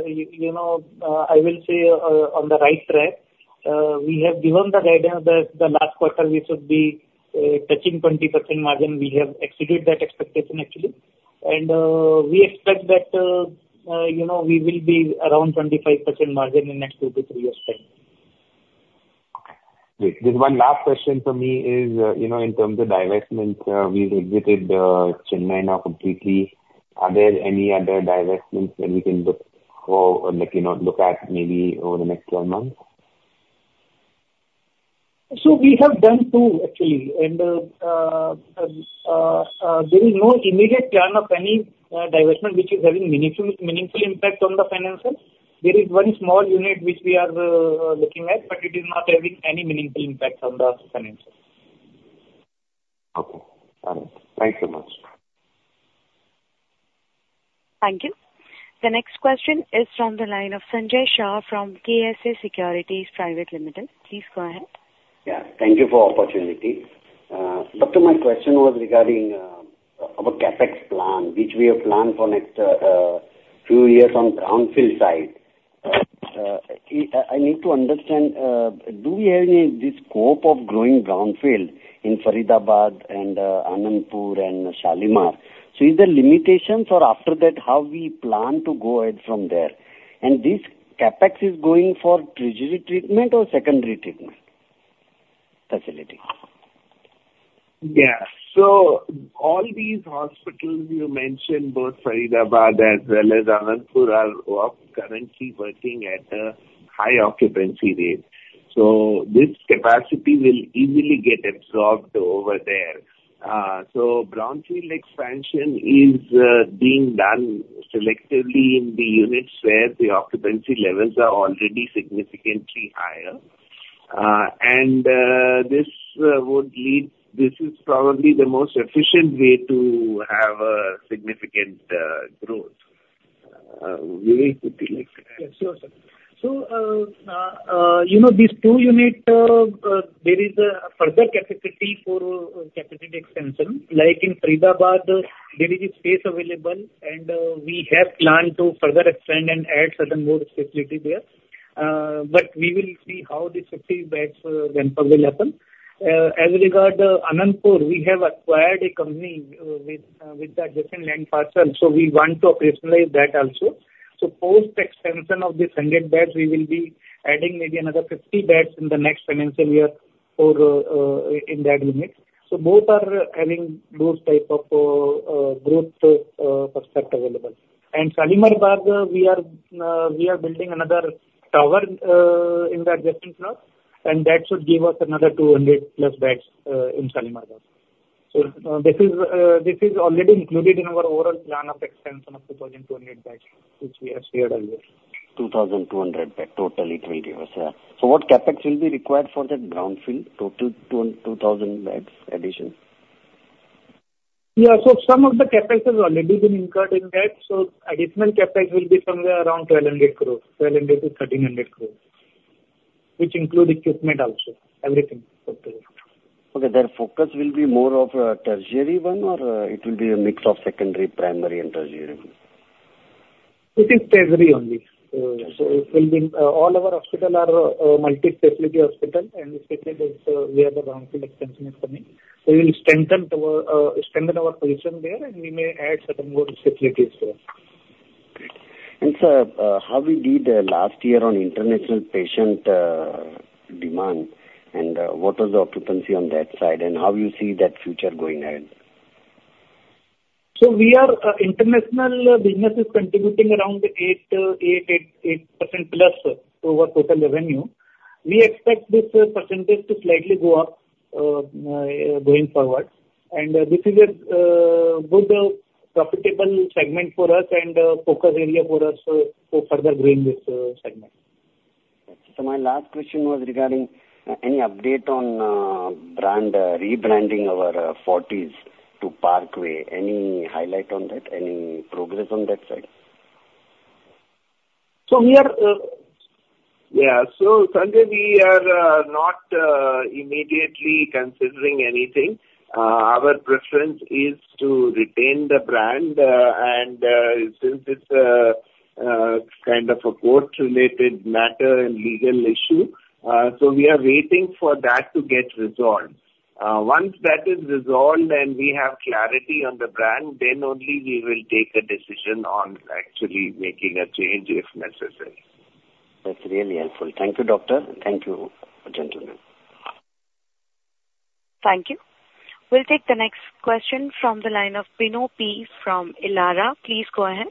you know, I will say, on the right track. We have given the guidance that the last quarter we should be touching 20% margin. We have exceeded that expectation, actually. And we expect that, you know, we will be around 25% margin in next 2-3 years' time. Great. There's one last question for me is, you know, in terms of divestment, we've exited, Chennai now completely. Are there any other divestments that we can look for or, like, you know, look at maybe over the next 12 months? So we have done two, actually. There is no immediate plan of any divestment which is having meaningful, meaningful impact on the financials. There is one small unit which we are looking at, but it is not having any meaningful impact on the financials. Okay. All right. Thank you so much. Thank you. The next question is from the line of Sanjay Shah from KSA Securities Private Limited. Please go ahead. Yeah. Thank you for opportunity. Doctor, my question was regarding our CapEx plan, which we have planned for next few years on brownfield side. I need to understand, do we have any the scope of growing brownfield in Faridabad and Anandapur and Shalimar? So is there limitations, or after that, how we plan to go ahead from there? And this CapEx is going for treasury treatment or secondary treatment facility? Yeah. So all these hospitals you mentioned, both Faridabad as well as Anandapur, are currently working at a high occupancy rate.... So this capacity will easily get absorbed over there. Brownfield expansion is being done selectively in the units where the occupancy levels are already significantly higher. This is probably the most efficient way to have a significant growth. Vivek, would you like to add? Yes, sure, sir. So, you know, these two units, there is a further capacity for capacity expansion. Like in Faridabad, there is a space available, and we have planned to further expand and add certain more facilities there. But we will see how this 50 beds then will happen. As regard Anandapur, we have acquired a company with the adjacent land parcel, so we want to operationalize that also. So post extension of this 100 beds, we will be adding maybe another 50 beds in the next financial year for in that unit. So both are having those type of growth prospect available. Shalimar Bagh, we are building another tower in the adjacent plot, and that should give us another 200+ beds in Shalimar Bagh. So, this is already included in our overall plan of expansion of 2,200 beds, which we have shared earlier. 2,200 bed totally three years, yeah. So what CapEx will be required for that brownfield, total 2 and 2,000 beds addition? Yeah. So some of the CapEx has already been incurred in that, so additional CapEx will be somewhere around 1,200 crore, 1,200-1,300 crore, which include equipment also, everything. Okay. Their focus will be more of a tertiary one or it will be a mix of secondary, primary and tertiary one? It is tertiary only. So it will be, all our hospital are, multi-specialty hospital, and secondary is where the Brownfield expansion is coming. So we'll strengthen the, strengthen our position there, and we may add certain more facilities there. Great. Sir, how we did last year on international patient demand, and what was the occupancy on that side, and how you see that future going ahead? So, international business is contributing around 8%+ to our total revenue. We expect this percentage to slightly go up going forward. And, this is a good profitable segment for us and focus area for us to further grow in this segment. My last question was regarding any update on brand rebranding our Fortis to Parkway. Any highlight on that? Any progress on that side? So we are. Yeah. So Sanjay, we are not immediately considering anything. Our preference is to retain the brand, and since it's a kind of a court-related matter and legal issue, so we are waiting for that to get resolved. Once that is resolved and we have clarity on the brand, then only we will take a decision on actually making a change if necessary. That's really helpful. Thank you, doctor. Thank you, gentlemen. Thank you. We'll take the next question from the line of Bino P from Elara. Please go ahead.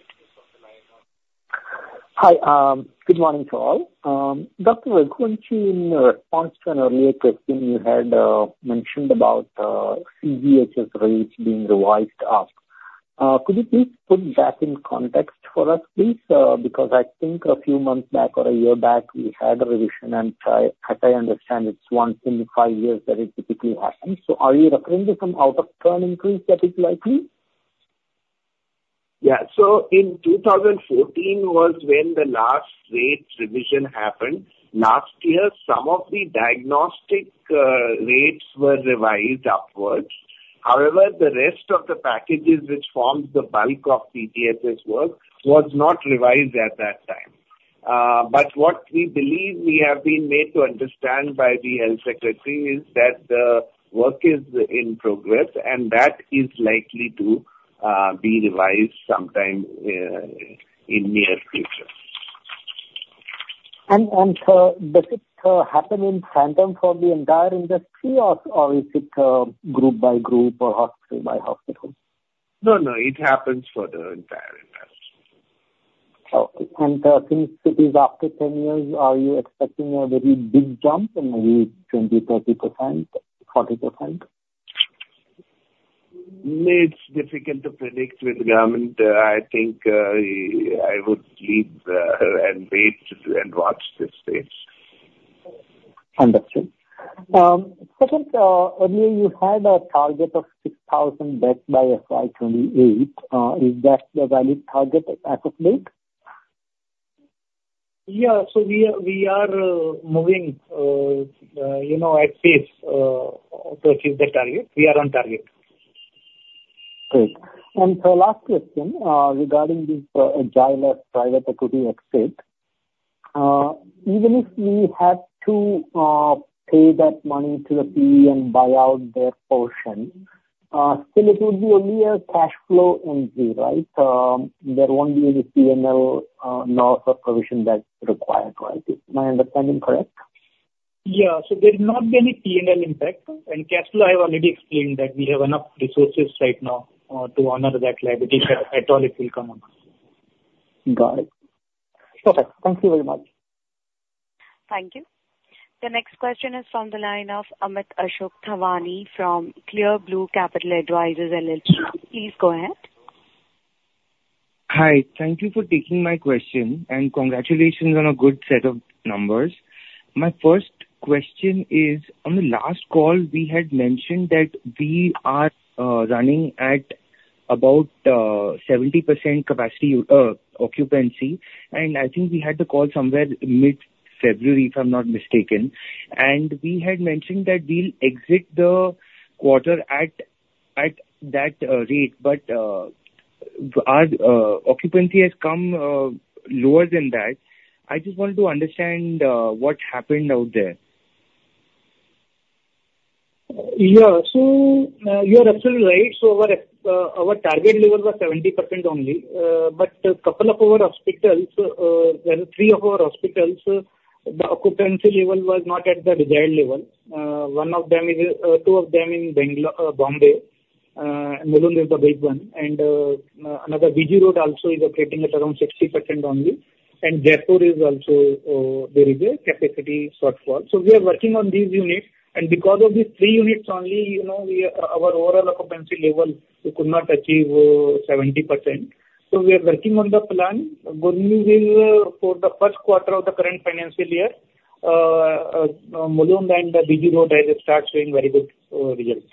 Hi. Good morning to all. Dr. Raghuvanshi, in response to an earlier question, you had mentioned about CGHS rates being revised up. Could you please put that in context for us, please? Because I think a few months back or a year back, we had a revision, and I, as I understand, it's once in five years that it typically happens. So are you referring to some out-of-turn increase that is likely? Yeah. So in 2014 was when the last rate revision happened. Last year, some of the diagnostic rates were revised upwards. However, the rest of the packages which formed the bulk of CGHS work was not revised at that time. But what we believe we have been made to understand by the health secretary is that the work is in progress and that is likely to be revised sometime in near future. Sir, does it happen in tandem for the entire industry, or is it group by group or hospital by hospital? No, no, it happens for the entire industry. Okay. Since it is after 10 years, are you expecting a very big jump, in maybe 20%, 30%, 40%? It's difficult to predict with government. I think I would leave and wait and watch this space. Understood. Second, earlier you had a target of 6,000 beds by FY 2028. Is that the valid target as of date? Yeah. So we are moving, you know, at pace to achieve the target. We are on target. Great. And so last question, regarding this, Agilus private equity exit. Even if we had to, pay that money to the PE and buy out their portion, still it would be only a cash flow entry, right? There won't be any PNL, loss or provision that's required, right? Is my understanding correct? Yeah. So there will not be any P&L impact. And cash flow, I have already explained that we have enough resources right now to honor that liability if at all it will come on us. Got it. Perfect. Thank you very much. Thank you. The next question is from the line of Amit Ashok Thawani from Clear Blue Capital Advisors LLP. Please go ahead. Hi. Thank you for taking my question, and congratulations on a good set of numbers. My first question is, on the last call, we had mentioned that we are running at about 70% capacity occupancy, and I think we had the call somewhere mid-February, if I'm not mistaken. And we had mentioned that we'll exit the quarter at that rate, but our occupancy has come lower than that. I just want to understand what happened out there. Yeah. So, you are absolutely right. So our, our target level was 70% only. But a couple of our hospitals, well, three of our hospitals, the occupancy level was not at the desired level. One of them is, two of them in Bengal, Bombay. Mulund is the big one, and, another, BG Road, also is operating at around 60% only. And Jaipur is also, there is a capacity shortfall. So we are working on these units, and because of these three units only, you know, we- our overall occupancy level could not achieve, 70%. So we are working on the plan. Hopefully, will, for the Q1 of the current financial year, Mulund and the BG Road will start showing very good, results.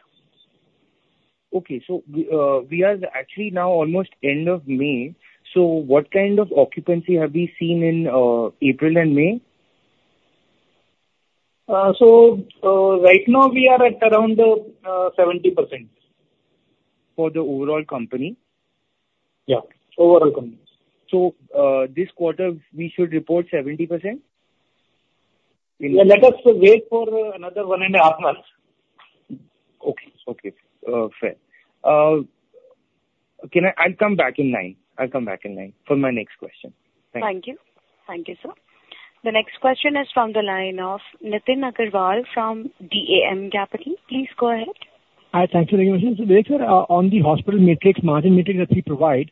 Okay. So we are actually now almost end of May, so what kind of occupancy have we seen in April and May? Right now we are at around 70%. For the overall company? Yeah, overall company. This quarter, we should report 70%? Let us wait for another one and a half months. Okay. Okay. Fair. Can I... I'll come back in line. I'll come back in line for my next question. Thank you. Thank you. Thank you, sir. The next question is from the line of Nitin Agarwal from DAM Capital. Please go ahead. Hi, thank you very much. So Vivek, sir, on the hospital matrix, margin matrix that we provide,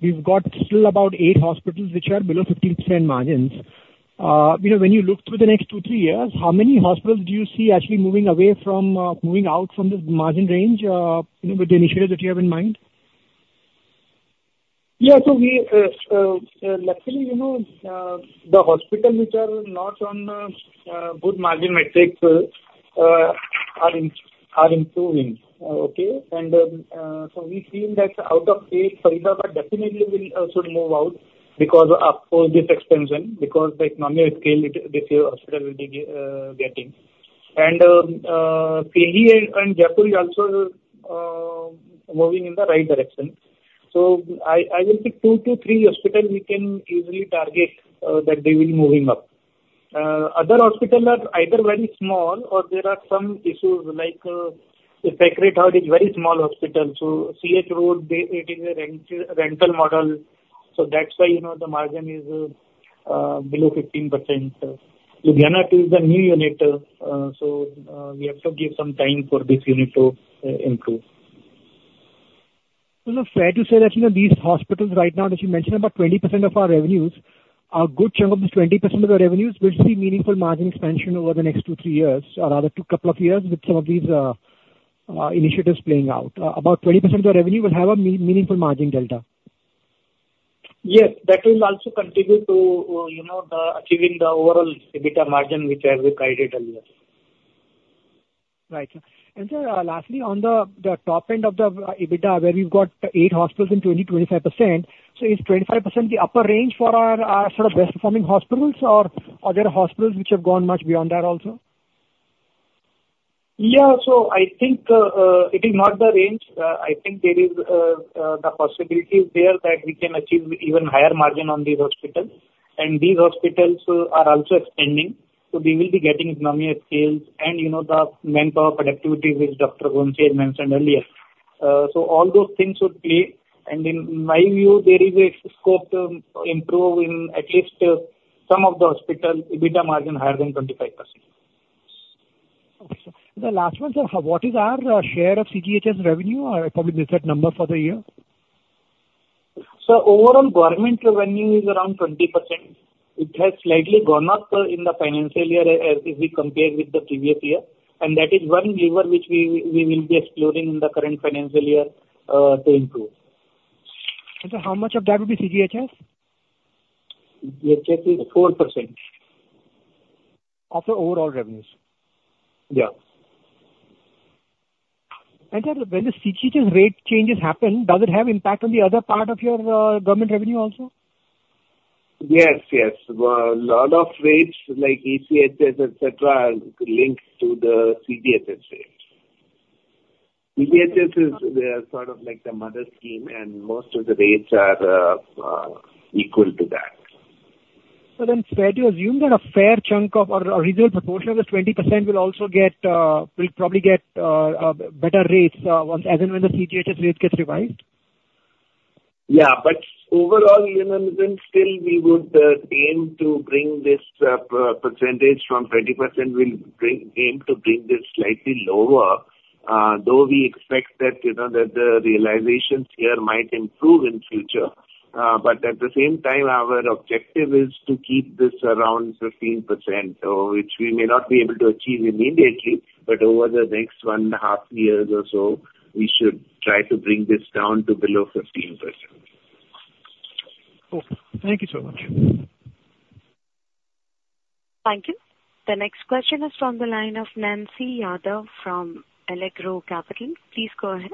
we've got still about eight hospitals which are below 15% margins. You know, when you look through the next two, three years, how many hospitals do you see actually moving away from, moving out from this margin range, you know, with the initiatives that you have in mind? Yeah, so we actually, you know, the hospitals which are not on good margin metrics are improving. Okay? And so we've seen that out of eight, Faridabad definitely will should move out because of this expansion, because the economy of scale it, this hospital will be getting. And PKU and Jaipur is also moving in the right direction. So I will say two to three hospitals we can easily target that they will be moving up. Other hospitals are either very small, or there are some issues like, Seshadripuram is a very small hospital, so CH Road, they, it is a rental rental model, so that's why, you know, the margin is below 15%. Ludhiana is the new unit, so, we have to give some time for this unit to improve. So is it fair to say that, you know, these hospitals right now, that you mentioned, about 20% of our revenues, a good chunk of this 20% of the revenues will see meaningful margin expansion over the next 2-3 years, or rather, 2, couple of years, with some of these initiatives playing out? About 20% of the revenue will have a meaningful margin delta. Yes, that will also continue to, you know, the achieving the overall EBITDA margin, which I have guided earlier. Right, sir. And sir, lastly, on the top end of the EBITDA, where we've got eight hospitals in 20%-25%, so is 25% the upper range for our sort of best performing hospitals, or are there hospitals which have gone much beyond that also? Yeah. So I think, it is not the range. I think there is, the possibility is there that we can achieve even higher margin on these hospitals. And these hospitals are also expanding, so we will be getting economies of scale and, you know, the manpower productivity, which Dr. Raghuvanshi mentioned earlier. So all those things would play, and in my view, there is a scope to improve in at least some of the hospital EBITDA margin higher than 25%. Okay, sir. The last one, sir: What is our share of CGHS revenue? I probably missed that number for the year. Overall government revenue is around 20%. It has slightly gone up in the financial year as, as we compare with the previous year, and that is one lever which we, we will be exploring in the current financial year to improve. Sir, how much of that will be CGHS? CGHS is 4%. Of your overall revenues? Yeah. Sir, when the CGHS rate changes happen, does it have impact on the other part of your government revenue also? Yes, yes. Well, a lot of rates, like CGHS, et cetera, are linked to the CGHS rates. CGHS is sort of like the mother scheme, and most of the rates are equal to that. So then fair to assume that a fair chunk of, or a reasonable proportion of this 20% will also get, will probably get better rates once, as and when the CGHS rate gets revised? Yeah, but overall, you know, then still we would aim to bring this percentage from 20%, we'll bring, aim to bring this slightly lower. Though we expect that, you know, that the realizations here might improve in future, but at the same time, our objective is to keep this around 15%, which we may not be able to achieve immediately, but over the next one and a half years or so, we should try to bring this down to below 15%. Okay. Thank you so much. Thank you. The next question is from the line of Nancy Yadav from Allegro Capital. Please go ahead.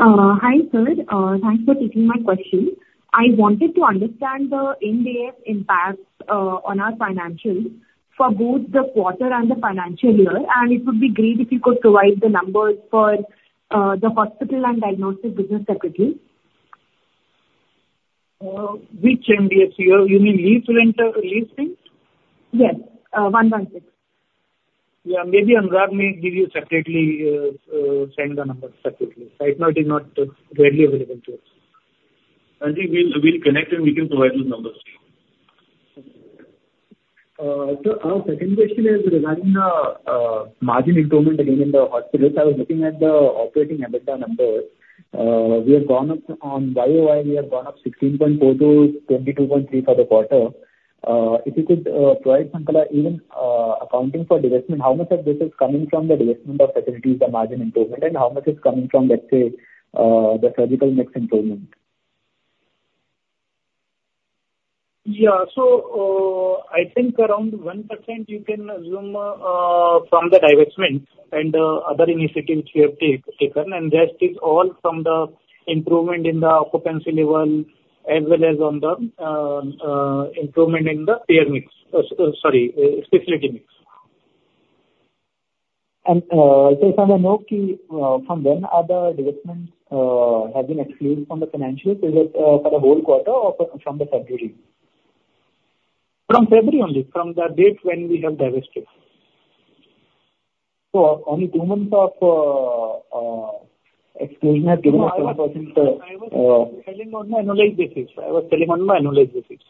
Hi, sir. Thanks for taking my question. I wanted to understand the impact on our financials for both the quarter and the financial year, and it would be great if you could provide the numbers for the hospital and diagnostic business separately. Which Ind AS here? You mean lease rental or leasing? Yes, 1, 1, 6. Yeah, maybe Angad may give you separately, send the numbers separately. Right now, it is not readily available to us. Angad, we'll connect, and we can provide those numbers to you. So our second question is regarding the margin improvement again in the hospitals. I was looking at the operating EBITDA numbers. We have gone up on YOY, we have gone up 16.4%-22.3% for the quarter. If you could provide some color, even accounting for divestment, how much of this is coming from the divestment of facilities, the margin improvement, and how much is coming from, let's say, the surgical mix improvement? Yeah. So, I think around 1% you can assume, from the divestment and, other initiatives we have taken, and rest is all from the improvement in the occupancy level as well as on the, improvement in the payer mix. Sorry, facility mix. So, from the know key, from when are the divestment have been excluded from the financials? Is it for the whole quarter or from the February? From February only, from the date when we have divested. So only 2 months of exclusion has given us 10%, I was telling on an annualized basis.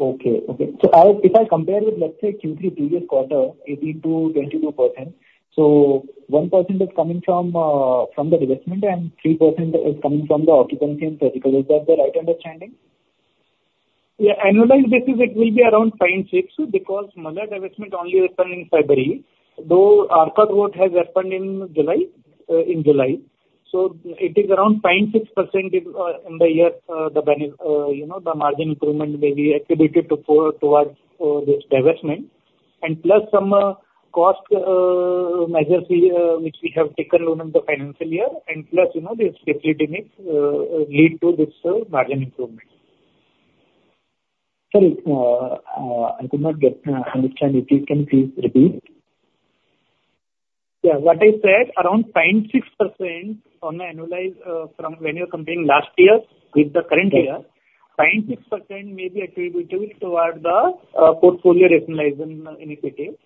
Okay. Okay. So if I compare with, let's say, Q3 previous quarter, 18%-22%, so 1% is coming from the divestment and 3% is coming from the occupancy and surgical. Is that the right understanding? Yeah, annualized basis, it will be around 0.6%, because Malar divestment only happened in February, though Arcot Road has happened in July, in July. So it is around 0.6% in, in the year, the bene-, you know, the margin improvement may be attributed to prior to this divestment. And plus some, cost, measures we, which we have taken during the financial year, and plus, you know, this facility mix, lead to this, margin improvement. Sorry, I could not understand. If you can, please repeat. Yeah. What I said, around 0.6% on an annualized, from when you're comparing last year with the current year- Yeah. 0.6% may be attributable toward the portfolio rationalization initiatives.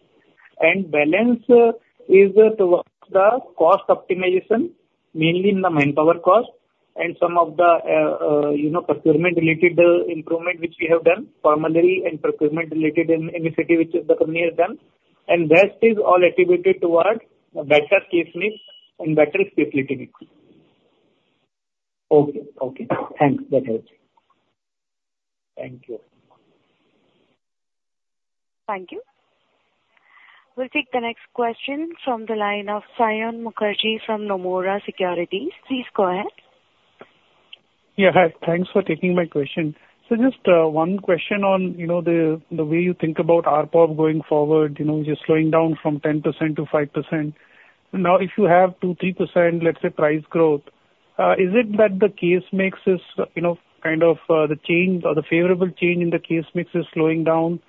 The balance is towards the cost optimization, mainly in the manpower cost and some of the, you know, procurement-related improvement, which we have done formerly, and procurement-related initiative, which the company has done, and rest is all attributed towards a better case mix and better facility mix. Okay. Okay. Thanks. That helps. Thank you. Thank you. We'll take the next question from the line of Sayan Mukherjee from Nomura Securities. Please go ahead. Yeah, hi. Thanks for taking my question. So just, one question on, you know, the, the way you think about ARPOB going forward. You know, just slowing down from 10% to 5%. Now, if you have 2%-3%, let's say, price growth, is it that the case mix is, you know, kind of, the change or the favorable change in the case mix is slowing down?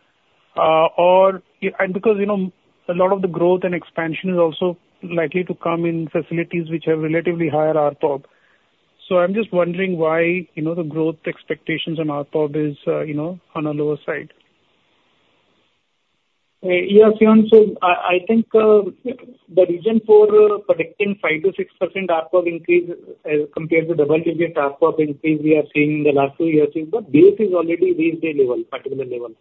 Or and because, you know, a lot of the growth and expansion is also likely to come in facilities which have relatively higher ARPOB. So I'm just wondering why, you know, the growth expectations on ARPOB is, you know, on a lower side. Yes, Sayan. So I think the reason for predicting 5%-6% ARPOB increase, compared to double-digit ARPOB increase we are seeing in the last two years, is the base is already reached a level, particular level.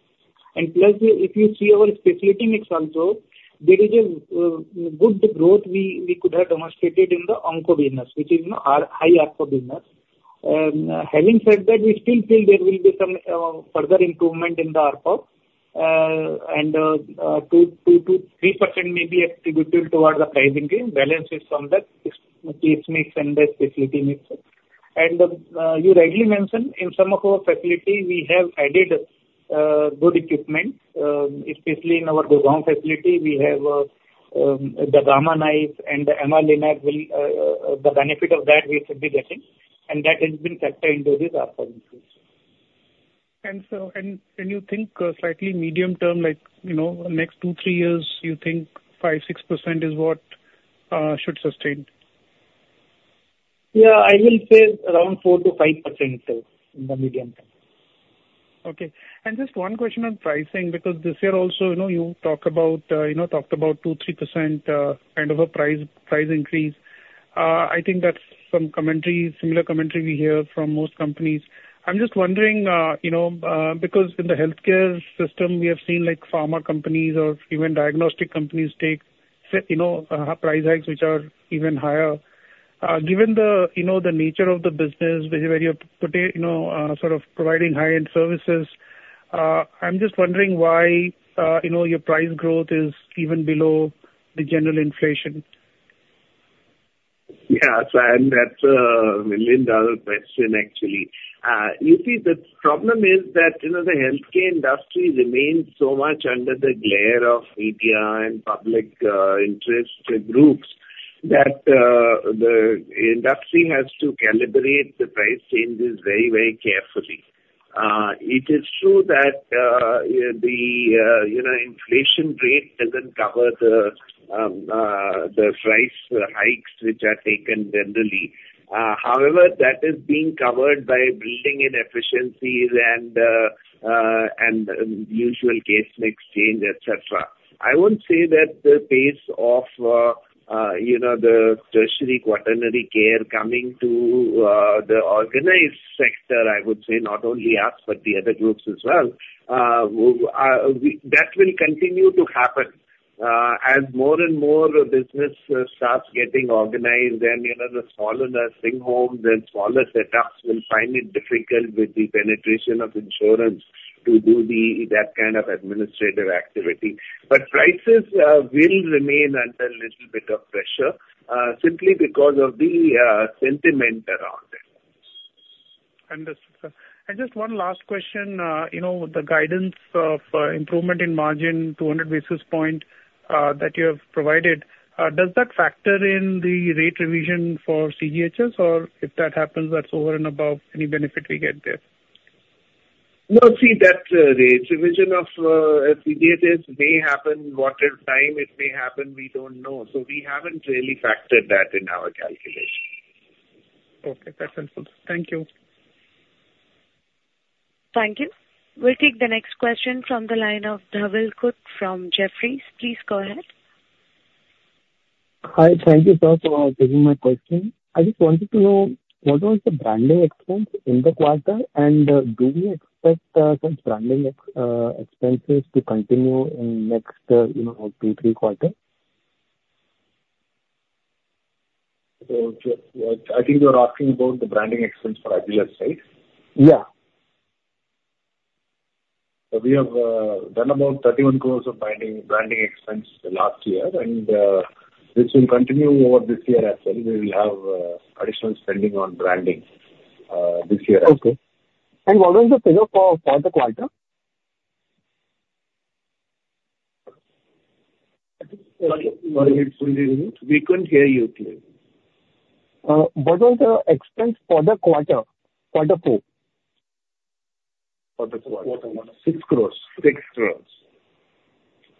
Plus, if you see our facility mix also, there is a good growth we could have demonstrated in the onco business, which is, you know, our high ARPOB business. Having said that, we still feel there will be some further improvement in the ARPOB, and two to three percent may be attributable towards the price increase. Balance is from the case mix and the facility mix. And you rightly mentioned, in some of our facility we have added good equipment. Especially in our Gurgaon facility, we have the Gamma Knife and the MR Linac will the benefit of that we should be getting, and that has been factored into this ARPOB increase. You think, slightly medium term, like, you know, next 2, 3 years, you think 5-6% is what should sustain? Yeah, I will say around 4%-5% in the medium term. Okay. Just one question on pricing, because this year also, you know, you talk about, you know, talked about 2-3%, kind of a price, price increase. I think that's some commentary, similar commentary we hear from most companies. I'm just wondering, you know, because in the healthcare system, we have seen, like, pharma companies or even diagnostic companies take, say, you know, price hikes, which are even higher. Given the, you know, the nature of the business, where you're today, you know, sort of providing high-end services, I'm just wondering why, you know, your price growth is even below the general inflation? Yeah, that's a million-dollar question, actually. You see, the problem is that, you know, the healthcare industry remains so much under the glare of media and public interest groups, that the industry has to calibrate the price changes very, very carefully. It is true that the, you know, inflation rate doesn't cover the price hikes which are taken generally. However, that is being covered by building in efficiencies and and usual case mix change, et cetera. I won't say that the pace of, you know, the tertiary, quaternary care coming to the organized sector, I would say not only us, but the other groups as well. We, that will continue to happen. As more and more business starts getting organized, then, you know, the smaller nursing homes and smaller setups will find it difficult with the penetration of insurance to do that kind of administrative activity. But prices will remain under a little bit of pressure simply because of the sentiment around it. Understood, sir. And just one last question. You know, the guidance of improvement in margin, 200 basis point, that you have provided, does that factor in the rate revision for CGHS? Or if that happens, that's over and above any benefit we get there? No, see, that rate revision of CGHS may happen. What time it may happen, we don't know, so we haven't really factored that in our calculation. Okay, that's helpful. Thank you. Thank you. We'll take the next question from the line of Dhawal Khut from Jefferies. Please go ahead. Hi. Thank you, sir, for taking my question. I just wanted to know what was the branding expense in the quarter, and do you expect some branding expenses to continue in next, you know, Q2, Q3? I think you're asking about the branding expense for Agilus, right? Yeah. We have done about 31 crore of branding, branding expense last year, and this will continue over this year as well. We will have additional spending on branding this year. Okay. And what was the figure for the quarter? Sorry, sorry, we couldn't hear you clearly. What was the expense for the quarter, Q4? For the quarter. 6 crore. 6 crore.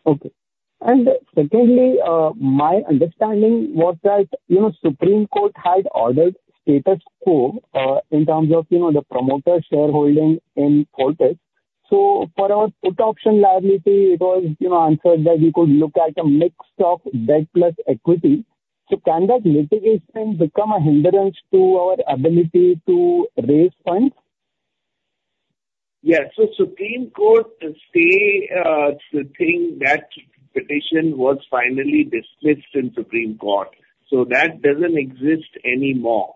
Okay. And secondly, my understanding was that, you know, Supreme Court had ordered status quo, in terms of, you know, the promoter shareholding in Fortis. So for our put option liability, it was, you know, answered that you could look at a mix of debt plus equity. So can that litigation become a hindrance to our ability to raise funds? Yes. So Supreme Court stay thing, that petition was finally dismissed in Supreme Court, so that doesn't exist anymore.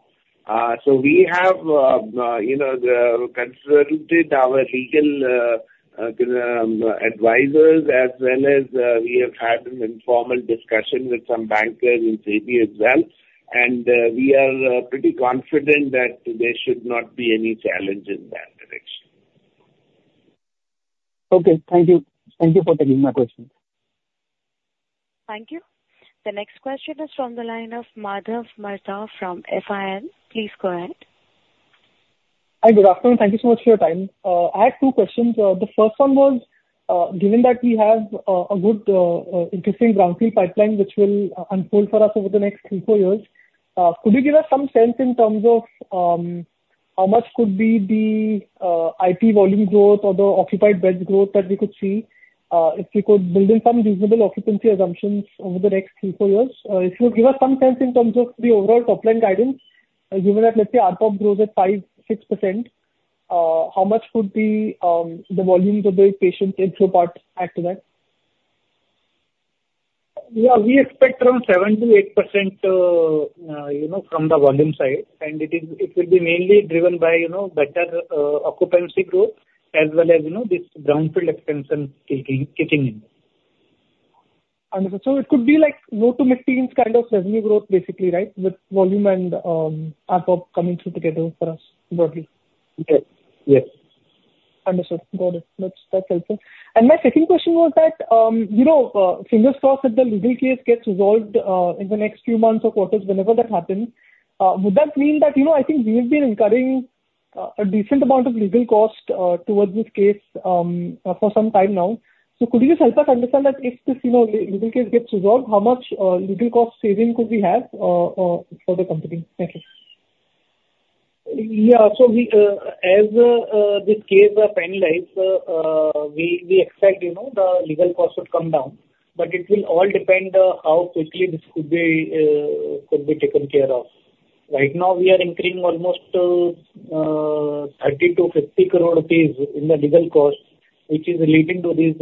We have, you know, consulted our legal advisors as well as we have had an informal discussion with some bankers in SEBI as well. We are pretty confident that there should not be any challenge in that direction. Okay, thank you. Thank you for taking my question. Thank you. The next question is from the line of Madhav Marda from FIL. Please go ahead. Hi, good afternoon. Thank you so much for your time. I had 2 questions. The first one was, given that we have a good, interesting brownfield pipeline which will unfold for us over the next 3-4 years, could you give us some sense in terms of how much could be the IP volume growth or the occupied beds growth that we could see, if we could build in some reasonable occupancy assumptions over the next 3-4 years? If you could give us some sense in terms of the overall top line guidance, given that, let's say, ARPOB grows at 5%-6%, how much could the volumes of the patient inflow part add to that? Yeah, we expect around 7%-8%, you know, from the volume side. And it is, it will be mainly driven by, you know, better occupancy growth as well as, you know, this Brownfield expansion kicking in. Understood. So it could be like low to mid-teens kind of revenue growth, basically, right? With volume and, ARPOB coming through together for us broadly. Okay. Yes. Understood. Got it. That's, that's helpful. And my second question was that, you know, fingers crossed, if the legal case gets resolved, in the next few months or quarters, whenever that happens, would that mean that, you know, I think we have been incurring, a decent amount of legal costs, towards this case, for some time now. So could you just help us understand that if this, you know, legal case gets resolved, how much, legal cost saving could we have, for the company? Thank you.... Yeah, so we, as this case are finalized, we expect, you know, the legal costs would come down, but it will all depend how quickly this could be taken care of. Right now we are incurring almost 30 crore-50 crore rupees in the legal costs, which is relating to these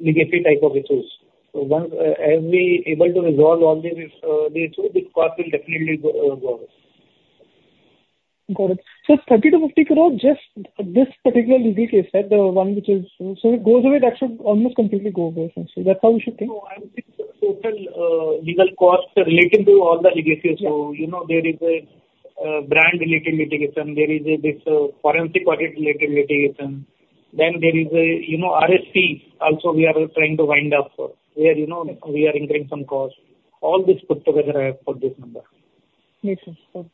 legacy type of issues. So once, as we able to resolve all these issues, this cost will definitely go away. Got it. So 30 crore-50 crore, just this particular legal case, right? The one which is. So it goes away, that should almost completely go away, that's how we should think? No, I think the total, legal costs relating to all the legacies. So, you know, there is a, brand-related litigation, there is this forensic audit-related litigation, then there is a, you know, RHT also we are trying to wind up, where, you know, we are incurring some costs. All this put together I have put this number. Yes, sir.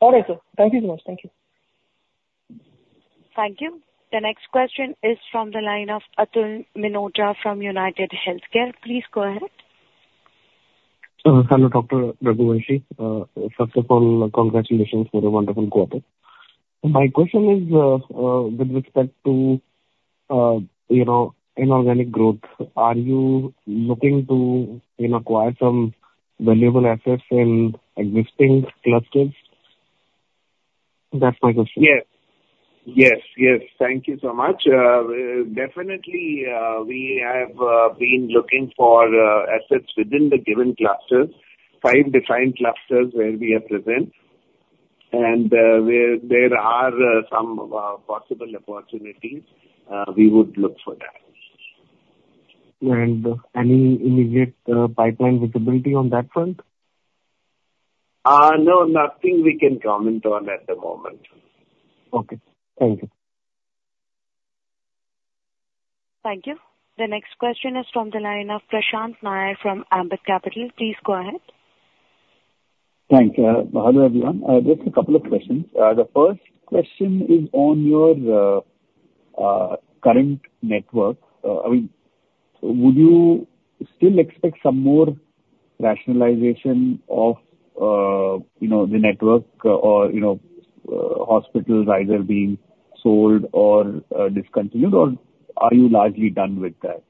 All right, sir. Thank you so much. Thank you. Thank you. The next question is from the line of Atul Mitra from United Healthcare. Please go ahead. Hello, Dr. Raghuvanshi. First of all, congratulations for a wonderful quarter. My question is, with respect to, you know, inorganic growth. Are you looking to acquire some valuable assets in existing clusters? That's my question. Yes. Yes, yes. Thank you so much. Definitely, we have been looking for assets within the given clusters, five different clusters where we are present, and where there are some possible opportunities, we would look for that. Any immediate pipeline visibility on that front? No, nothing we can comment on at the moment. Okay. Thank you. Thank you. The next question is from the line of Prashant Nair from Ambit Capital. Please go ahead. Thanks. Hello, everyone. Just a couple of questions. The first question is on your current network. I mean, would you still expect some more rationalization of, you know, the network or, you know, hospitals either being sold or discontinued, or are you largely done with that?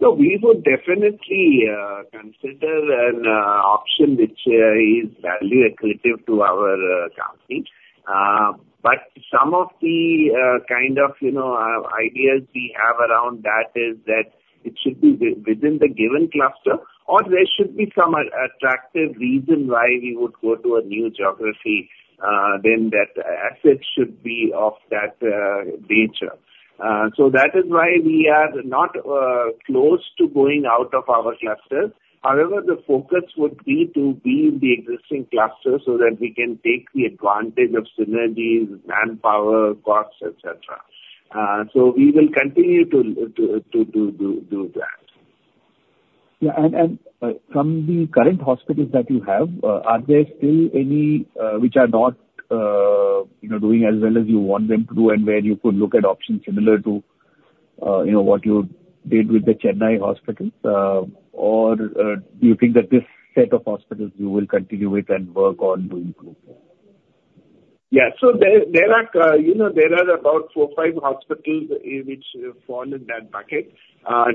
So we would definitely consider an option which is value accretive to our company. But some of the kind of, you know, ideas we have around that is that it should be within the given cluster, or there should be some attractive reason why we would go to a new geography, then that asset should be of that nature. So that is why we are not close to going out of our clusters. However, the focus would be to be in the existing clusters so that we can take the advantage of synergies, manpower, costs, et cetera. So we will continue to do that. Yeah, and from the current hospitals that you have, are there still any which are not, you know, doing as well as you want them to do, and where you could look at options similar to, you know, what you did with the Chennai hospital? Or do you think that this set of hospitals you will continue with and work on to improve them? Yeah. So there, there are, you know, there are about 4, 5 hospitals, which fall in that bucket.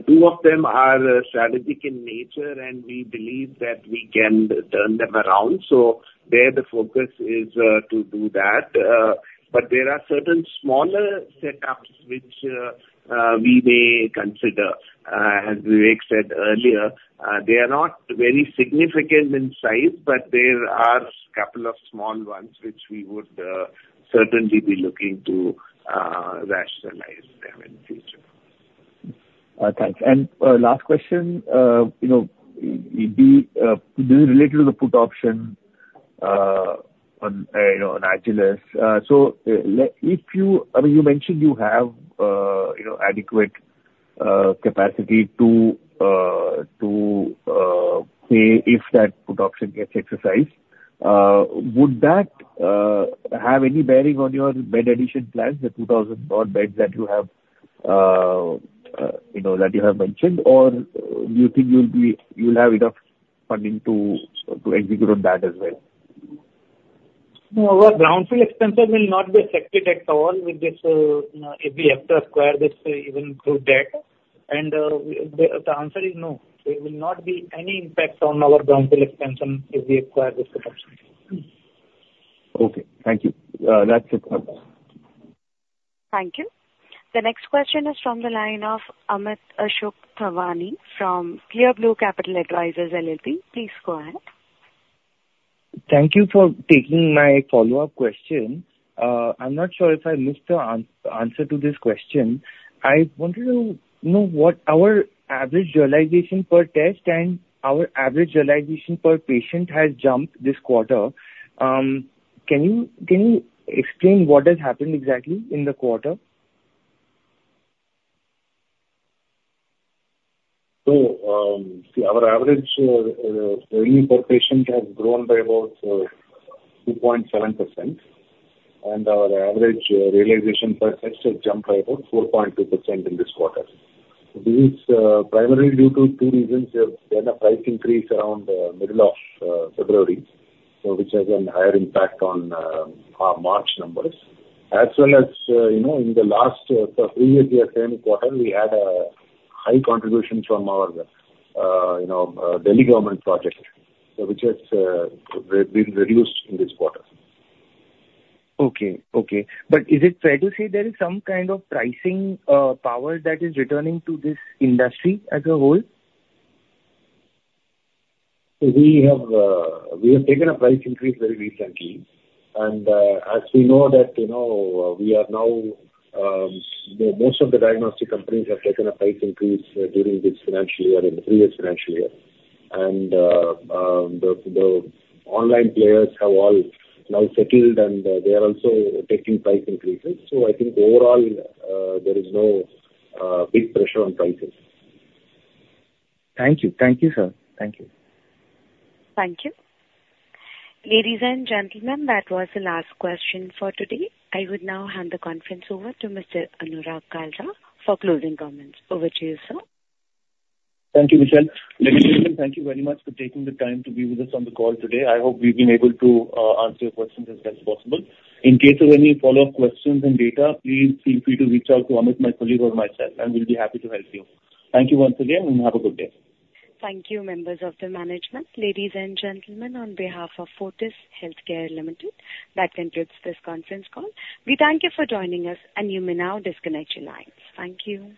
Two of them are strategic in nature, and we believe that we can turn them around. So there, the focus is to do that. But there are certain smaller setups which we may consider. As Vivek said earlier, they are not very significant in size, but there are a couple of small ones which we would certainly be looking to rationalize them in the future. Thanks. And, last question, you know, this is related to the put option, on, you know, on Agilus. So, if you—I mean, you mentioned you have, you know, adequate capacity to pay if that put option gets exercised. Would that have any bearing on your bed addition plans, the 2,000-odd beds that you have, you know, that you have mentioned? Or do you think you'll be, you'll have enough funding to execute on that as well? No, our Brownfield expenses will not be affected at all with this, if we have to acquire this, even good debt. The answer is no. There will not be any impact on our Brownfield expansion if we acquire this put option. Okay. Thank you. That's it for now. Thank you. The next question is from the line of Amit Ashok Thawani from Clear Blue Capital Advisors LLP. Please go ahead. Thank you for taking my follow-up question. I'm not sure if I missed the answer to this question. I wanted to know what our average realization per test and our average realization per patient has jumped this quarter. Can you explain what has happened exactly in the quarter? So, see, our average revenue per patient has grown by about 2.7%, and our average realization per test has jumped by about 4.2% in this quarter. This is primarily due to two reasons. We have done a price increase around middle of February, so which has a higher impact on our March numbers. As well as, you know, in the last previous year same quarter, we had a high contribution from our, you know, Delhi government project, so which has been reduced in this quarter. Okay. Okay. But is it fair to say there is some kind of pricing power that is returning to this industry as a whole? We have, we have taken a price increase very recently, and, as we know that, you know, we are now, most of the diagnostic companies have taken a price increase during this financial year, in the previous financial year. And, the online players have all now settled, and, they are also taking price increases. So I think overall, there is no, big pressure on pricing. Thank you. Thank you, sir. Thank you. Thank you. Ladies and gentlemen, that was the last question for today. I would now hand the conference over to Mr. Anurag Kalra for closing comments. Over to you, sir. Thank you, Michelle. Ladies and gentlemen, thank you very much for taking the time to be with us on the call today. I hope we've been able to answer your questions as best as possible. In case of any follow-up questions and data, please feel free to reach out to Amit, my colleague, or myself, and we'll be happy to help you. Thank you once again, and have a good day. Thank you, members of the management. Ladies and gentlemen, on behalf of Fortis Healthcare Limited, that concludes this conference call. We thank you for joining us, and you may now disconnect your lines. Thank you.